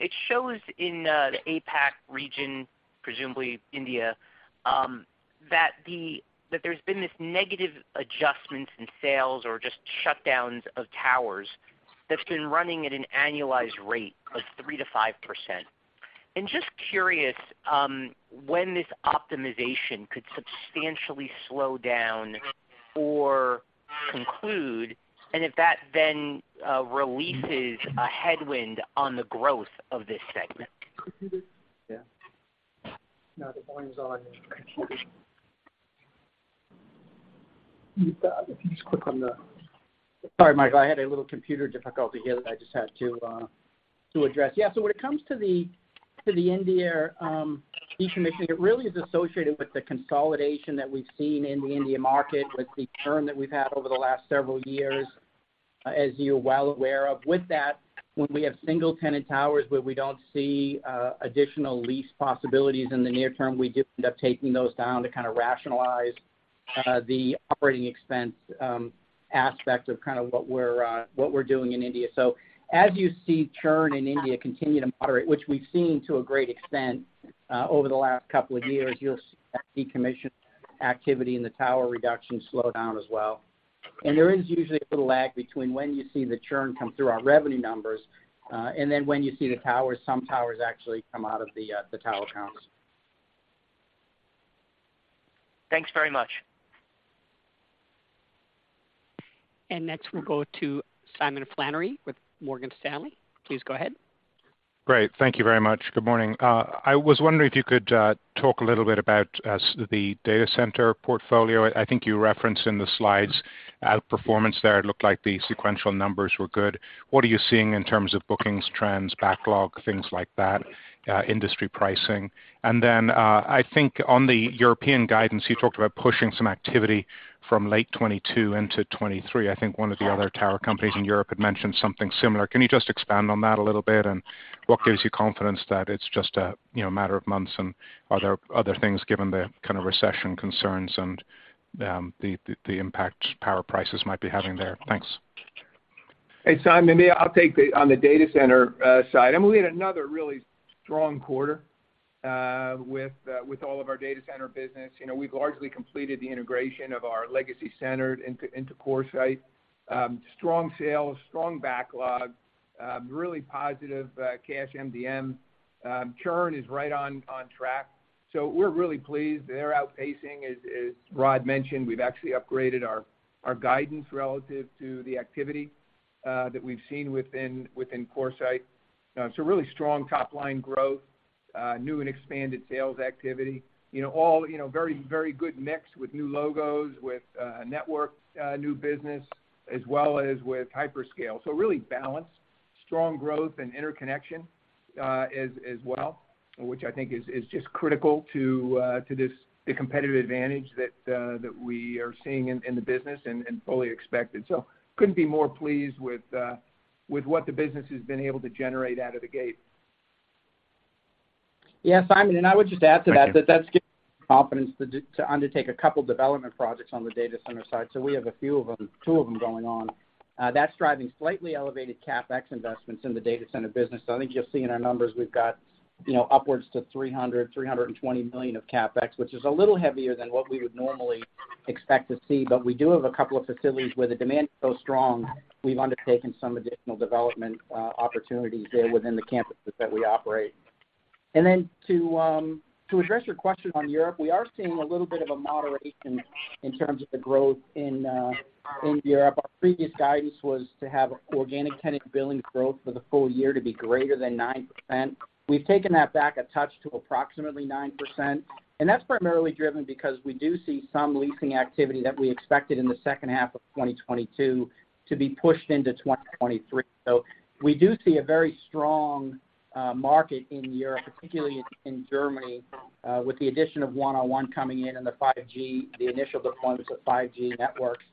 it shows in the APAC region, presumably India, that there's been this negative adjustment in sales or just shutdowns of towers that's been running at an annualized rate of 3%-5%. Just curious when this optimization could substantially slow down or conclude, and if that then releases a headwind on the growth of this segment. Yeah. No, the volume's on. If you just click on the. Sorry, Michael, I had a little computer difficulty here that I just had to address. Yeah. When it comes to the India decommissioning, it really is associated with the consolidation that we've seen in the India market with the churn that we've had over the last several years, as you're well aware of. With that, when we have single tenant towers where we don't see additional lease possibilities in the near term, we do end up taking those down to kind of rationalize the operating expense aspect of kind of what we're doing in India. As you see churn in India continue to moderate, which we've seen to a great extent over the last couple of years, you'll see that decommission activity and the tower reduction slow down as well. There is usually a little lag between when you see the churn come through our revenue numbers, and then when you see the towers, some towers actually come out of the tower counts. Thanks very much. Next, we'll go to Simon Flannery with Morgan Stanley. Please go ahead. Great. Thank you very much. Good morning. I was wondering if you could talk a little bit about the data center portfolio. I think you referenced in the slides outperformance there. It looked like the sequential numbers were good. What are you seeing in terms of bookings, trends, backlog, things like that, industry pricing? And then, I think on the European guidance, you talked about pushing some activity from late 2022 into 2023. I think one of the other tower companies in Europe had mentioned something similar. Can you just expand on that a little bit? And what gives you confidence that it's just a, you know, matter of months? And are there other things, given the kind of recession concerns and the impact power prices might be having there? Thanks. Hey, Simon. Maybe I'll take on the data center side. I mean, we had another really strong quarter with all of our data center business. You know, we've largely completed the integration of our legacy centers into CoreSite. Strong sales, strong backlog, really positive cash MRR. Churn is right on track. So we're really pleased. They're outpacing. As Rod mentioned, we've actually upgraded our guidance relative to the activity that we've seen within CoreSite. So really strong top-line growth, new and expanded sales activity, you know, all very good mix with new logos, with net new business, as well as with hyperscale. So really balanced. Strong growth and interconnection as well, which I think is just critical to the competitive advantage that we are seeing in the business and fully expected. Couldn't be more pleased with what the business has been able to generate out of the gate. Yeah, Simon, I would just add to that that's given confidence to undertake a couple development projects on the data center side. We have a few of them, two of them going on. That's driving slightly elevated CapEx investments in the data center business. I think you'll see in our numbers, we've got upwards to $300million, $320 million of CapEx, which is a little heavier than what we would normally expect to see. But we do have a couple of facilities where the demand is so strong, we've undertaken some additional development opportunities there within the campuses that we operate. Then to address your question on Europe, we are seeing a little bit of a moderation in terms of the growth in Europe. Our previous guidance was to have organic tenant billing growth for the full year to be greater than 9%. We've taken that back a touch to approximately 9%, and that's primarily driven because we do see some leasing activity that we expected in the second half of 2022 to be pushed into 2023. We do see a very strong market in Europe, particularly in Germany, with the addition of 1&1 coming in and the initial deployments of 5G networks.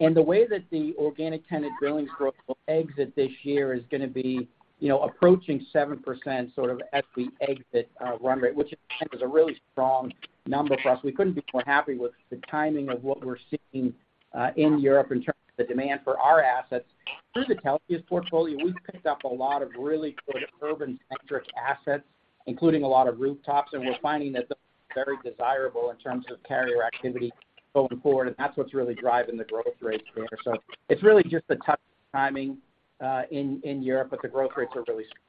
The way that the organic tenant billings growth will exit this year is gonna be, you know, approaching 7% sort of at the exit run rate, which is a really strong number for us. We couldn't be more happy with the timing of what we're seeing in Europe in terms of the demand for our assets. Through the Telxius portfolio, we've picked up a lot of really sort of urban-centric assets, including a lot of rooftops, and we're finding that they're very desirable in terms of carrier activity going forward, and that's what's really driving the growth rates there. It's really just the tough timing in Europe, but the growth rates are really strong.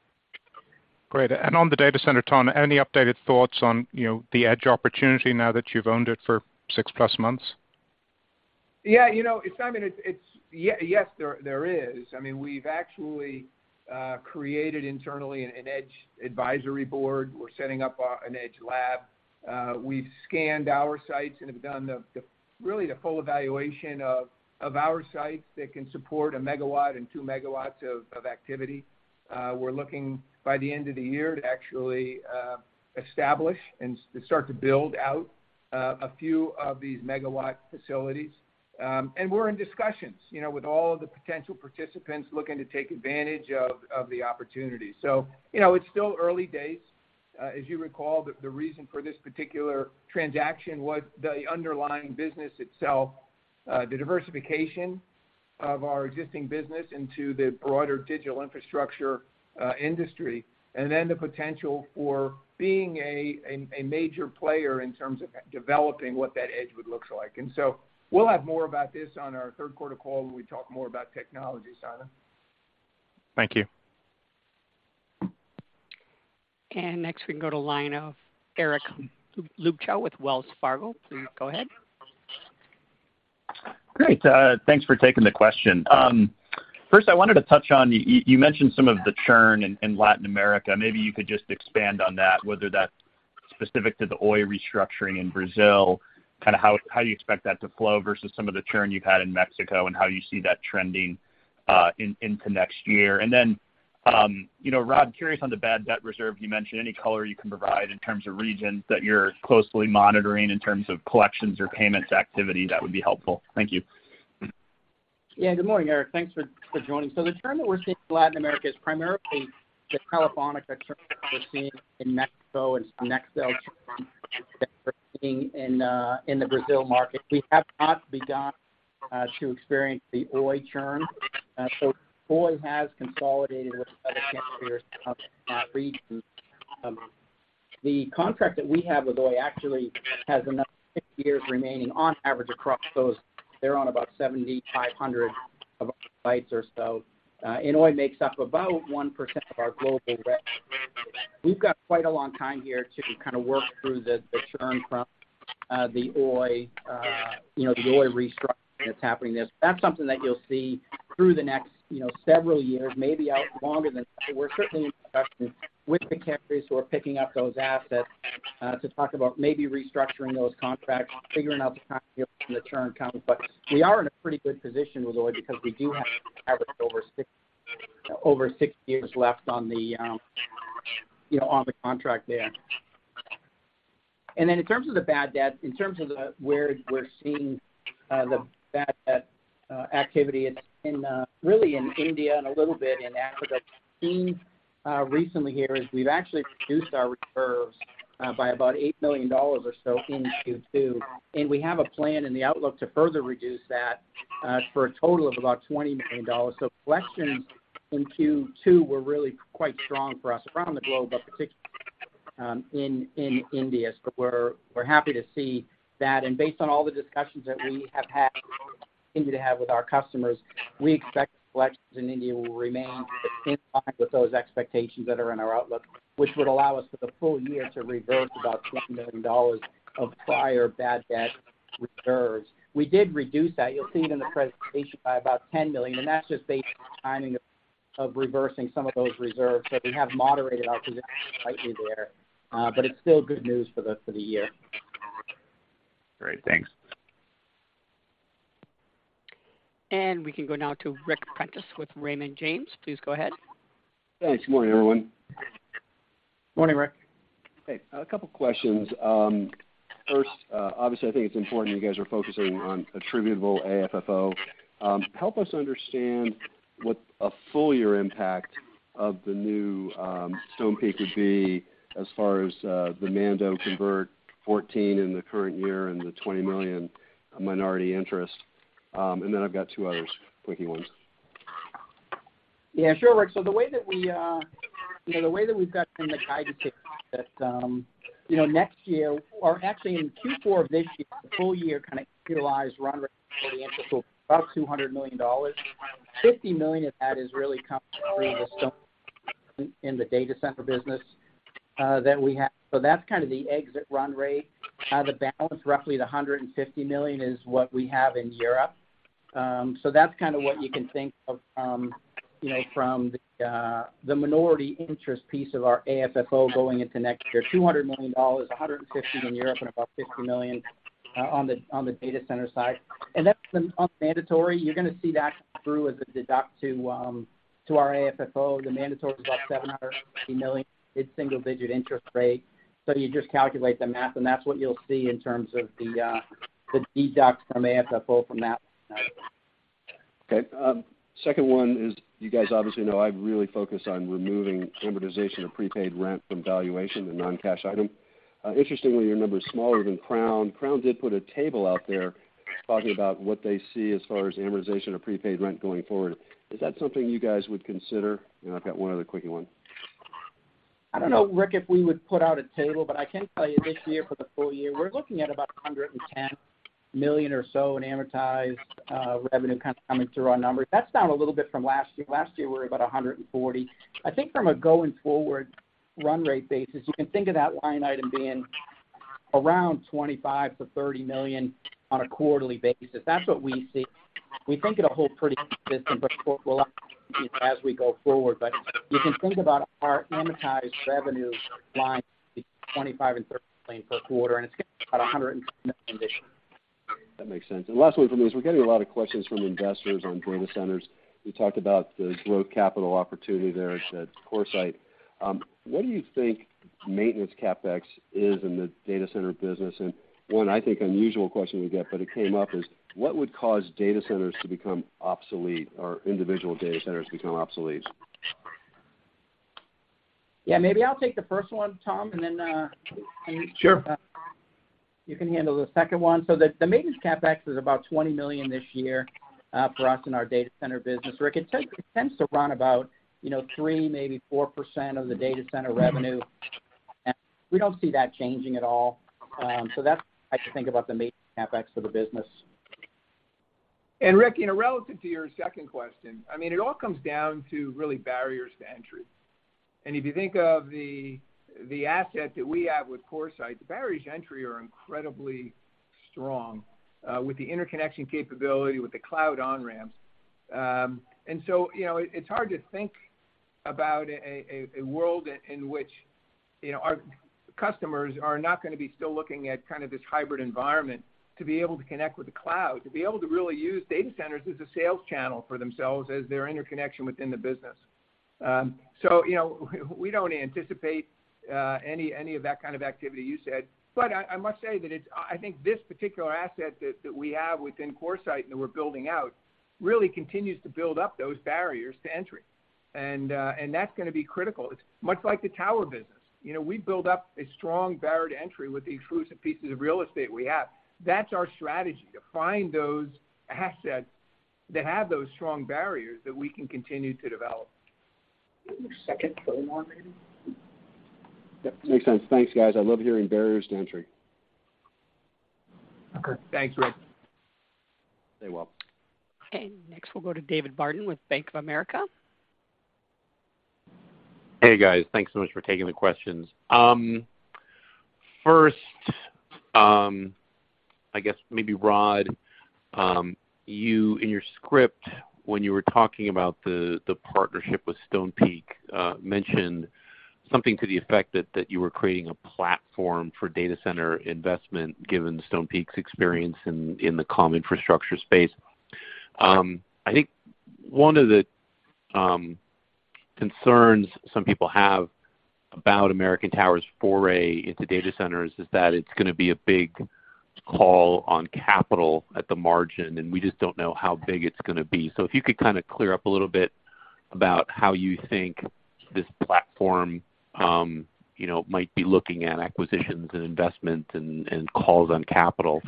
Great. On the data center, Tom, any updated thoughts on, you know, the edge opportunity now that you've owned it for 6+ months? Yeah. You know, it's, I mean, yes, there is. I mean, we've actually created internally an edge advisory board. We're setting up an edge lab. We've scanned our sites and have done really the full evaluation of our sites that can support a megawatt and 2 MW of activity. We're looking by the end of the year to actually establish and start to build out a few of these megawatt facilities. We're in discussions, you know, with all the potential participants looking to take advantage of the opportunity. You know, it's still early days. As you recall, the reason for this particular transaction was the underlying business itself, the diversification of our existing business into the broader digital infrastructure industry, and then the potential for being a major player in terms of developing what that edge would looks like. We'll have more about this on our third quarter call when we talk more about technology, Simon. Thank you. Next, we can go to line of Eric Luebchow with Wells Fargo. Please go ahead. Great. Thanks for taking the question. First, I wanted to touch on you mentioned some of the churn in Latin America. Maybe you could just expand on that, whether that's specific to the Oi restructuring in Brazil, kind of how you expect that to flow versus some of the churn you've had in Mexico and how you see that trending into next year. You know, Rod, curious on the bad debt reserve you mentioned. Any color you can provide in terms of regions that you're closely monitoring in terms of collections or payments activity, that would be helpful. Thank you. Yeah. Good morning, Eric. Thanks for joining. The churn that we're seeing in Latin America is primarily the Telefónica churn that we're seeing in Mexico and Nextel churn that we're seeing in the Brazil market. We have not begun to experience the Oi churn. Oi has consolidated with other carriers in that region. The contract that we have with Oi actually has another six years remaining on average across those. They're on about 7,500 of our sites or so. Oi makes up about 1% of our global revenue. We've got quite a long time here to kind of work through the churn from the Oi restructuring that's happening there. That's something that you'll see through the next several years, maybe out longer than that. We're certainly in discussions with the carriers who are picking up those assets to talk about maybe restructuring those contracts, figuring out the time here when the churn comes. We are in a pretty good position with Oi because we do have average over 6 years left on the, you know, on the contract there. In terms of the bad debt, in terms of where we're seeing the bad debt activity, it's really in India and a little bit in Africa. What we've seen recently here is we've actually reduced our reserves by about $8 million or so in Q2, and we have a plan in the outlook to further reduce that for a total of about $20 million. Collections in Q2 were really quite strong for us around the globe, but particularly in India. We're happy to see that. Based on all the discussions that we have had and continue to have with our customers, we expect collections in India will remain in line with those expectations that are in our outlook, which would allow us for the full year to reverse about $10 million of prior bad debt reserves. We did reduce that, you'll see it in the presentation, by about $10 million, and that's just based on the timing of reversing some of those reserves. We have moderated our position slightly there, but it's still good news for the year. Great. Thanks. We can go now to Ric Prentiss with Raymond James. Please go ahead. Thanks. Morning, everyone. Morning, Ric. Hey. A couple questions. First, obviously, I think it's important you guys are focusing on attributable AFFO. Help us understand what a full year impact of the new Stonepeak would be as far as the mandatory convertible preferred in the current year and the $20 million minority interest. I've got two other quickie ones. Yeah, sure, Ric. So the way that we, you know, the way that we've got kind of guided to that, you know, next year or actually in Q4 of this year, the full year kinda utilized run rate for the interest of about $200 million. $50 million of that is really coming through Stonepeak in the data center business that we have. So that's kind of the exit run rate. The balance, roughly $150 million is what we have in Europe. So that's kind of what you can think of, you know, from the minority interest piece of our AFFO going into next year. $200 million, $150 million in Europe, and about $50 million on the data center side. That's the non-mandatory. You're gonna see that through as a deduct to our AFFO. The mandatory is about $750 million. It's single-digit interest rate. You just calculate the math, and that's what you'll see in terms of the deduct from AFFO from that. Okay. Second one is, you guys obviously know I really focus on removing amortization of prepaid rent from valuation, the non-cash item. Interestingly, your number is smaller than Crown. Crown did put a table out there talking about what they see as far as amortization of prepaid rent going forward. Is that something you guys would consider? I've got one other quickie one. I don't know, Ric, if we would put out a table, but I can tell you this year, for the full year, we're looking at about $110 million or so in amortized revenue kind of coming through our numbers. That's down a little bit from last year. Last year, we were about $140 million. I think from a going forward run rate basis, you can think of that line item being around $25 million-$30 million on a quarterly basis. That's what we see. We think it'll hold pretty consistent, but we'll update as we go forward. You can think about our amortized revenue line, it's $25 million-$30 million per quarter, and it's about $110 million this year. That makes sense. Last one from me is, we're getting a lot of questions from investors on data centers. You talked about the growth capital opportunity there at CoreSite. What do you think maintenance CapEx is in the data center business? One, I think, unusual question we get, but it came up, is what would cause data centers to become obsolete or individual data centers become obsolete? Yeah. Maybe I'll take the first one, Tom, and then you- Sure. ...You can handle the second one. The maintenance CapEx is about $20 million this year for us in our data center business. Ric, it tends to run about, you know, 3%-4% of the data center revenue. We don't see that changing at all. That's how to think about the main CapEx for the business. Ric, you know, relative to your second question, I mean, it all comes down to really barriers to entry. If you think of the asset that we have with CoreSite, the barriers to entry are incredibly strong, with the interconnection capability, with the cloud on-ramps. So, you know, it's hard to think about a world in which, you know, our customers are not gonna be still looking at kind of this hybrid environment to be able to connect with the cloud, to be able to really use data centers as a sales channel for themselves as their interconnection within the business. So, you know, we don't anticipate any of that kind of activity you said. I must say that it's. I think this particular asset that we have within CoreSite that we're building out really continues to build up those barriers to entry. And that's gonna be critical. It's much like the tower business. You know, we build up a strong barrier to entry with the exclusive pieces of real estate we have. That's our strategy, to find those assets that have those strong barriers that we can continue to develop. Give me one second. One more maybe. Yep. Makes sense. Thanks, guys. I love hearing barriers to entry. Okay. Thank you, Ric. Stay well. Okay. Next, we'll go to David Barden with Bank of America. Hey, guys. Thanks so much for taking the questions. First, I guess maybe Rod, you, in your script, when you were talking about the partnership with Stonepeak, mentioned something to the effect that you were creating a platform for data center investment given Stonepeak's experience in the comm infrastructure space. I think one of the concerns some people have about American Tower's foray into data centers is that it's gonna be a big call on capital at the margin, and we just don't know how big it's gonna be. If you could kinda clear up a little bit about how you think this platform, you know, might be looking at acquisitions and investments and calls on capital.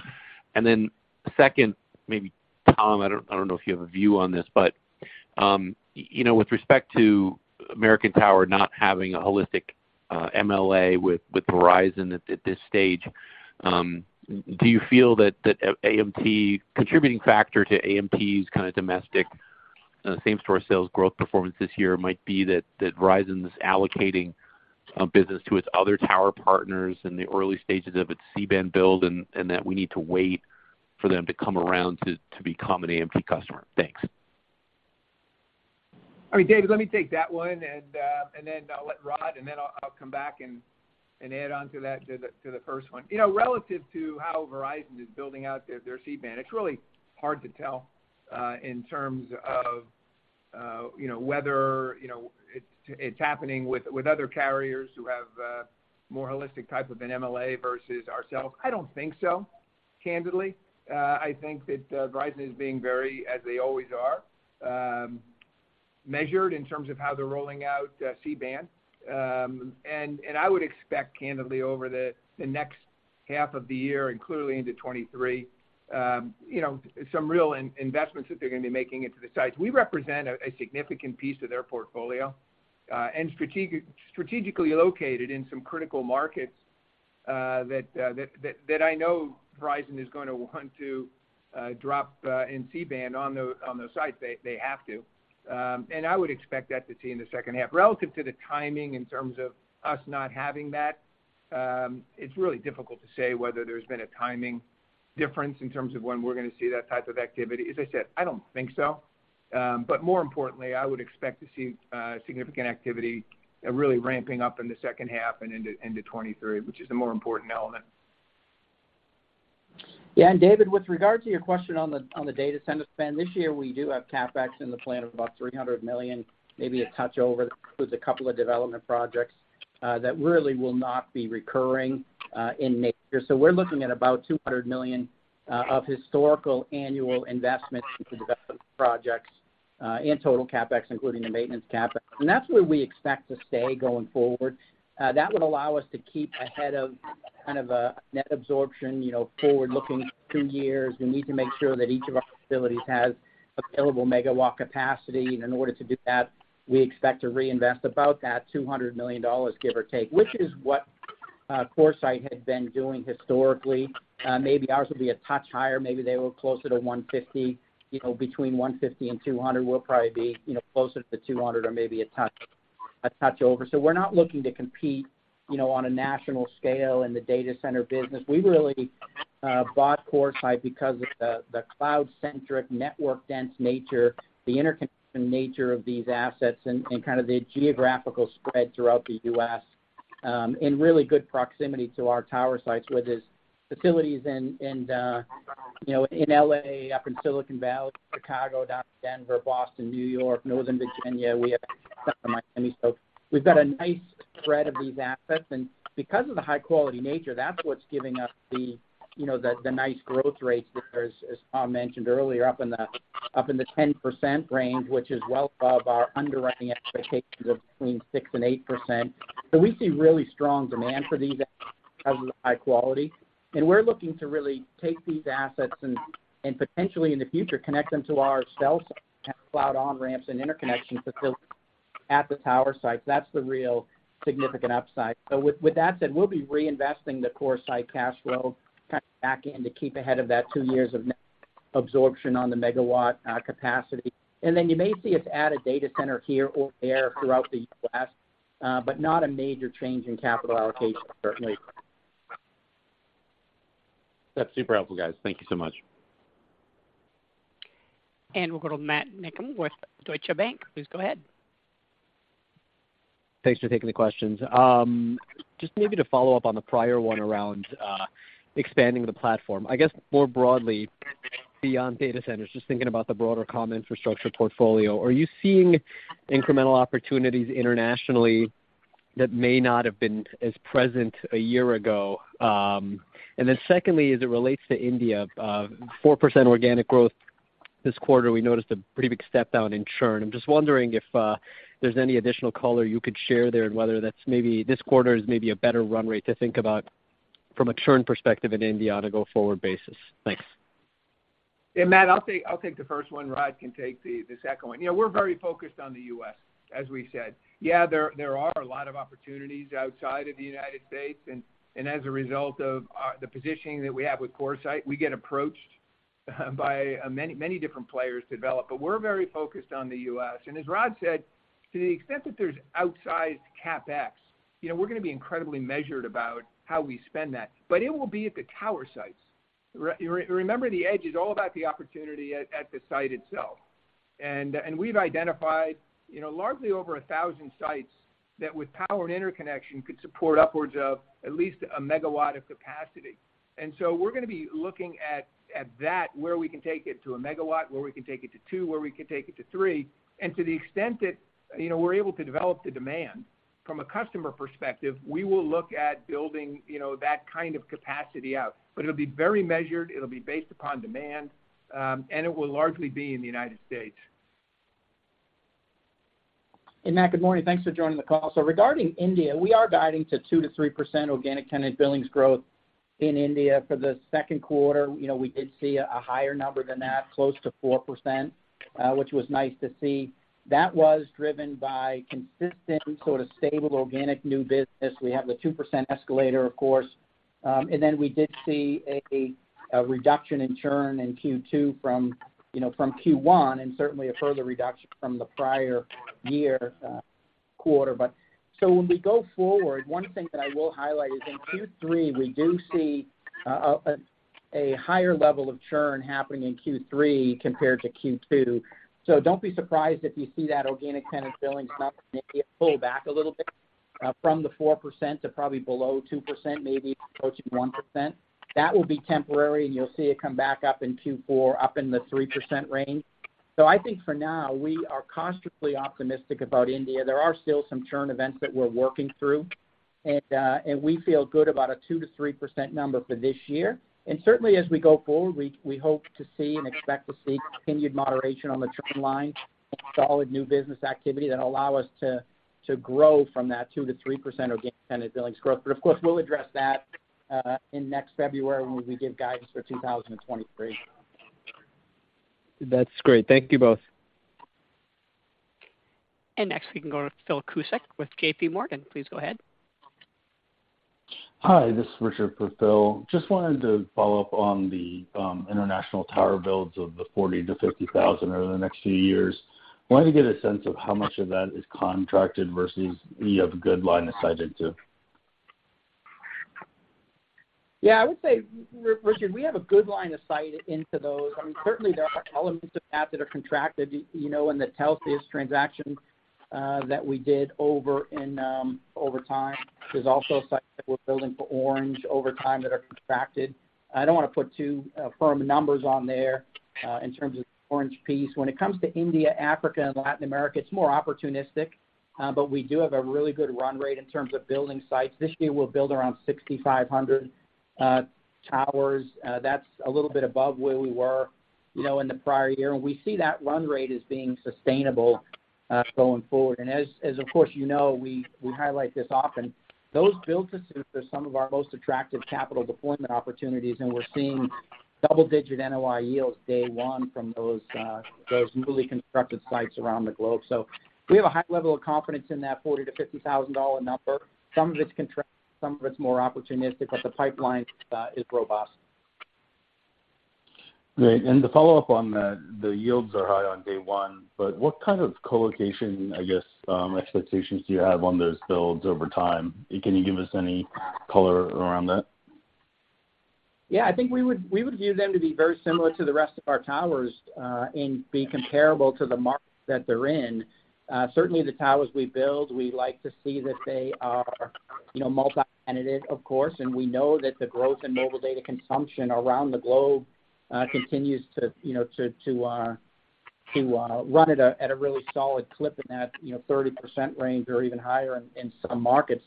Second, maybe Tom, I don't know if you have a view on this, but you know, with respect to American Tower not having a holistic MLA with Verizon at this stage, do you feel that AMT contributing factor to AMT's kind of domestic same store sales growth performance this year might be that Verizon is allocating business to its other tower partners in the early stages of its C-band build and that we need to wait for them to come around to become an AMT customer? Thanks. All right, David, let me take that one and then I'll let Rod and then I'll come back and add on to that, to the first one. You know, relative to how Verizon is building out their C-band, it's really hard to tell in terms of you know whether it's happening with other carriers who have a more holistic type of an MLA versus ourselves. I don't think so, candidly. I think that Verizon is being very, as they always are, measured in terms of how they're rolling out C-band. I would expect, candidly, over the next half of the year and clearly into 2023, you know, some real investments that they're gonna be making into the sites. We represent a significant piece of their portfolio and strategically located in some critical markets that I know Verizon is gonna want to drop in C-band on those sites, they have to. I would expect to see that in the second half. Relative to the timing in terms of us not having that, it's really difficult to say whether there's been a timing difference in terms of when we're gonna see that type of activity. As I said, I don't think so. More importantly, I would expect to see significant activity really ramping up in the second half and into 2023, which is the more important element. Yeah. David, with regard to your question on the data center spend, this year we do have CapEx in the plan of about $300 million, maybe a touch over. Includes a couple of development projects that really will not be recurring in nature. We're looking at about $200 million of historical annual investment into development projects in total CapEx, including the maintenance CapEx. That's where we expect to stay going forward. That would allow us to keep ahead of kind of a net absorption, you know, forward-looking two years. We need to make sure that each of our facilities has available megawatt capacity. In order to do that, we expect to reinvest about that $200 million, give or take, which is what CoreSite had been doing historically. Maybe ours will be a touch higher, maybe they were closer to $150 million, you know, between $150 million and $200 million. We'll probably be, you know, closer to $200 million or maybe a touch over. We're not looking to compete, you know, on a national scale in the data center business. We really bought CoreSite because of the cloud-centric network dense nature, the interconnection nature of these assets and kind of the geographical spread throughout the U.S., in really good proximity to our tower sites, with its facilities in, you know, in L.A., up in Silicon Valley, Chicago, down to Denver, Boston, New York, Northern Virginia. We have Miami. We've got a nice spread of these assets. Because of the high quality nature, that's what's giving us the, you know, the nice growth rates there, as Tom mentioned earlier, up in the 10% range, which is well above our underwriting expectations of between 6%-8%. We see really strong demand for these high quality. We're looking to really take these assets and potentially in the future, connect them to our cell site cloud on-ramps and interconnection facilities at the tower sites. That's the real significant upside. With that said, we'll be reinvesting the CoreSite cash flow kind of back in to keep ahead of that two years of net absorption on the megawatt capacity. Then you may see us add a data center here or there throughout the U.S., but not a major change in capital allocation, certainly. That's super helpful, guys. Thank you so much. We'll go to Matt Niknam with Deutsche Bank. Please go ahead. Thanks for taking the questions. Just maybe to follow up on the prior one around expanding the platform. I guess more broadly, beyond data centers, just thinking about the broader comm infrastructure portfolio, are you seeing incremental opportunities internationally that may not have been as present a year ago? Secondly, as it relates to India, 4% organic growth this quarter. We noticed a pretty big step down in churn. I'm just wondering if there's any additional color you could share there and whether that's maybe this quarter is maybe a better run rate to think about from a churn perspective in India on a go-forward basis. Thanks. Yeah, Matt, I'll take the first one. Rod can take the second one. Yeah, we're very focused on the U.S., as we said. Yeah, there are a lot of opportunities outside of the United States. As a result of the positioning that we have with CoreSite, we get approached by many different players to develop. But we're very focused on the U.S. As Rod said, to the extent that there's outsized CapEx, you know, we're gonna be incredibly measured about how we spend that. But it will be at the tower sites. Remember, the edge is all about the opportunity at the site itself. We've identified, you know, largely over 1,000 sites that with power and interconnection could support upwards of at least a megawatt of capacity. We're gonna be looking at that, where we can take it to a megawatt, where we can take it to 2 MW, where we can take it to 3 MW. To the extent that, you know, we're able to develop the demand from a customer perspective, we will look at building, you know, that kind of capacity out. It'll be very measured, it'll be based upon demand, and it will largely be in the United States. Matt, good morning. Thanks for joining the call. Regarding India, we are guiding to 2%-3% organic tenant billings growth in India for the second quarter. You know, we did see a higher number than that, close to 4%, which was nice to see. That was driven by consistent, sort of stable organic new business. We have the 2% escalator, of course. And then we did see a reduction in churn in Q2 from Q1, and certainly a further reduction from the prior year quarter. When we go forward, one thing that I will highlight is in Q3, we do see a higher level of churn happening in Q3 compared to Q2. Don't be surprised if you see that organic tenant billings number maybe pull back a little bit from the 4% to probably below 2%, maybe approaching 1%. That will be temporary, and you'll see it come back up in Q4, up in the 3% range. I think for now, we are cautiously optimistic about India. There are still some churn events that we're working through, and we feel good about a 2%-3% number for this year. Certainly as we go forward, we hope to see and expect to see continued moderation on the churn line, solid new business activity that allow us to grow from that 2%-3% organic tenant billings growth. Of course, we'll address that in next February when we give guidance for 2023. That's great. Thank you both. Next we can go to Phil Cusick with J.P. Morgan. Please go ahead. Hi, this is Richard for Phil. Just wanted to follow up on the international tower builds of the 40,000-50,000 over the next few years. Wanted to get a sense of how much of that is contracted versus you have good line of sight into. Yeah, I would say, Richard, we have a good line of sight into those. I mean, certainly there are elements of that are contracted, you know, in the Telxius transaction, that we did over time. There's also sites that we're building for Orange over time that are contracted. I don't wanna put too firm numbers on there, in terms of Orange piece. When it comes to India, Africa and Latin America, it's more opportunistic, but we do have a really good run rate in terms of building sites. This year, we'll build around 6,500 towers. That's a little bit above where we were, you know, in the prior year. We see that run rate as being sustainable, going forward. As of course you know, we highlight this often, those build-to-suits are some of our most attractive capital deployment opportunities, and we're seeing double-digit NOI yields day one from those newly constructed sites around the globe. We have a high level of confidence in that $40,000-$50,000 number. Some of it's contracted, some of it's more opportunistic, but the pipeline is robust. Great. To follow up on that, the yields are high on day one, but what kind of co-location, I guess, expectations do you have on those builds over time? Can you give us any color around that? Yeah, I think we would view them to be very similar to the rest of our towers, and be comparable to the markets that they're in. Certainly the towers we build, we like to see that they are, you know, multi-tenanted, of course, and we know that the growth in mobile data consumption around the globe continues to, you know, to run at a really solid clip in that, you know, 30% range or even higher in some markets.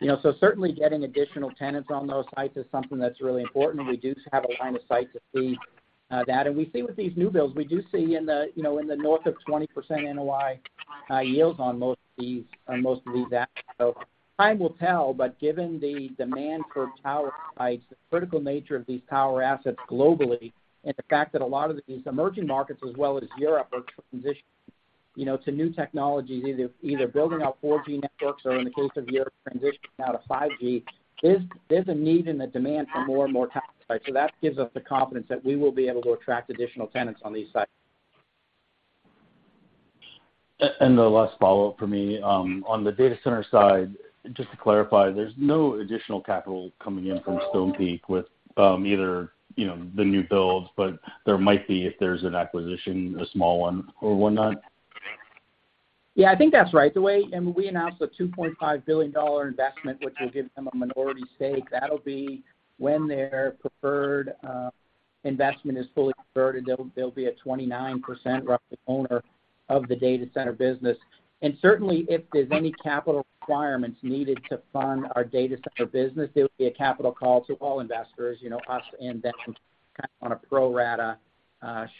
You know, so certainly getting additional tenants on those sites is something that's really important. We do have a line of sight to see that. We see with these new builds, we do see in the, you know, in the north of 20% NOI yields on most of these, on most of these assets. Time will tell, but given the demand for tower sites, the critical nature of these tower assets globally and the fact that a lot of these emerging markets as well as Europe are transitioning, you know, to new technologies, either building out 4G networks or in the case of Europe, transitioning now to 5G, there's a need and a demand for more and more tower sites. That gives us the confidence that we will be able to attract additional tenants on these sites. The last follow-up for me. On the data center side, just to clarify, there's no additional capital coming in from Stonepeak with, either, you know, the new builds, but there might be if there's an acquisition, a small one or whatnot? Yeah, I think that's right. When we announced the $2.5 billion investment, which will give them a minority stake, that'll be when their preferred investment is fully converted, they'll be a 29% roughly owner of the data center business. Certainly, if there's any capital requirements needed to fund our data center business, there would be a capital call to all investors, you know, us and them, kind of on a pro rata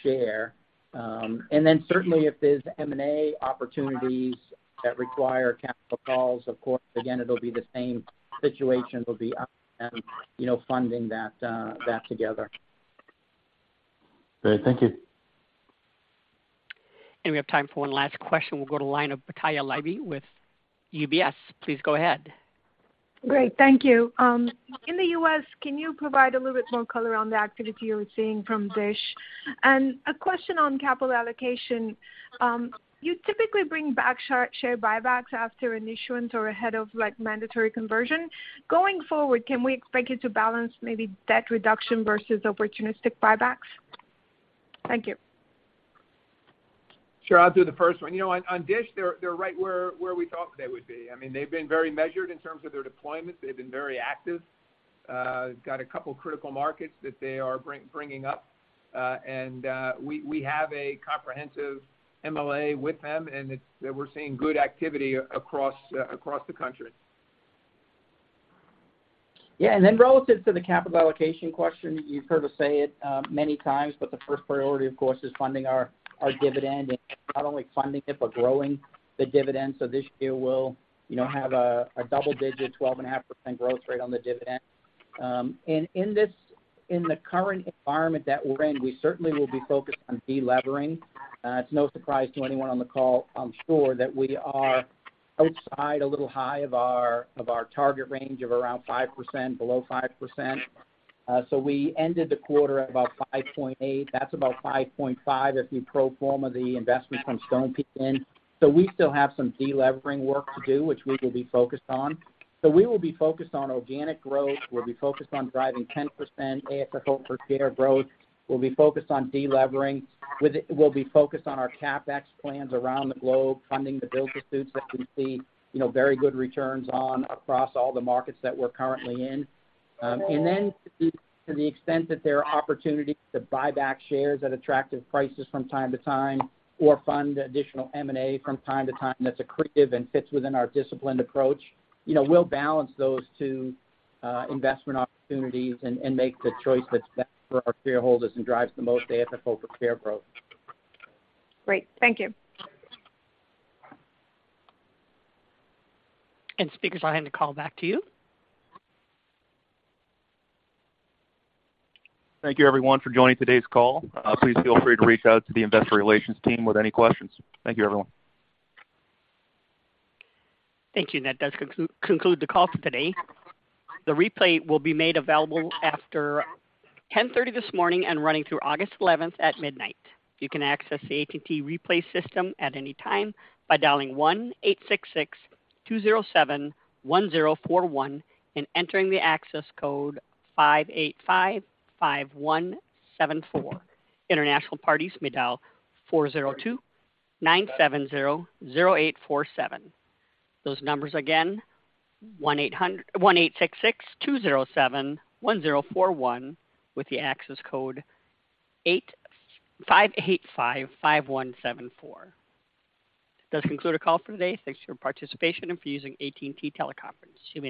share. Certainly if there's M&A opportunities that require capital calls, of course, again, it'll be the same situation. It'll be us and them, you know, funding that together. Great. Thank you. We have time for one last question. We'll go to line of Batya Levi with UBS. Please go ahead. Great, thank you. In the U.S., can you provide a little bit more color on the activity you're seeing from Dish? A question on capital allocation. You typically bring back share buybacks after an issuance or ahead of like mandatory conversion. Going forward, can we expect you to balance maybe debt reduction versus opportunistic buybacks? Thank you. Sure. I'll do the first one. You know, on Dish, they're right where we thought they would be. I mean, they've been very measured in terms of their deployments. They've been very active. Got a couple critical markets that they are bringing up. We have a comprehensive MLA with them, and we're seeing good activity across the country. Yeah. Then relative to the capital allocation question, you've heard us say it many times, but the first priority, of course, is funding our dividend and not only funding it, but growing the dividend. This year we'll you know have a double-digit 12.5% growth rate on the dividend. In this current environment that we're in, we certainly will be focused on de-levering. It's no surprise to anyone on the call, I'm sure, that we are a little high outside of our target range of around 5x, below 5x. We ended the quarter at about 5.8x. That's about 5.5x if you pro forma the investment from Stonepeak in. We still have some de-levering work to do, which we will be focused on. We will be focused on organic growth. We'll be focused on driving 10% AFFO per share growth. We'll be focused on de-levering. With it, we'll be focused on our CapEx plans around the globe, funding the build-to-suits that we see, you know, very good returns on across all the markets that we're currently in. To the extent that there are opportunities to buy back shares at attractive prices from time to time or fund additional M&A from time to time that's accretive and fits within our disciplined approach, you know, we'll balance those two investment opportunities and make the choice that's best for our shareholders and drives the most AFFO per share growth. Great. Thank you. Speaker, so I hand the call back to you. Thank you everyone for joining today's call. Please feel free to reach out to the investor relations team with any questions. Thank you, everyone. Thank you. That does conclude the call for today. The replay will be made available after 10:30 A.M. this morning and running through August 11th at midnight. You can access the AT&T replay system at any time by dialing 1-866-207-1041 and entering the access code 5855174. International parties may dial 402-970-0847. Those numbers again, 1-866-207-1041 with the access code 5855174. This does conclude our call for today. Thanks for your participation and for using AT&T Teleconference Services.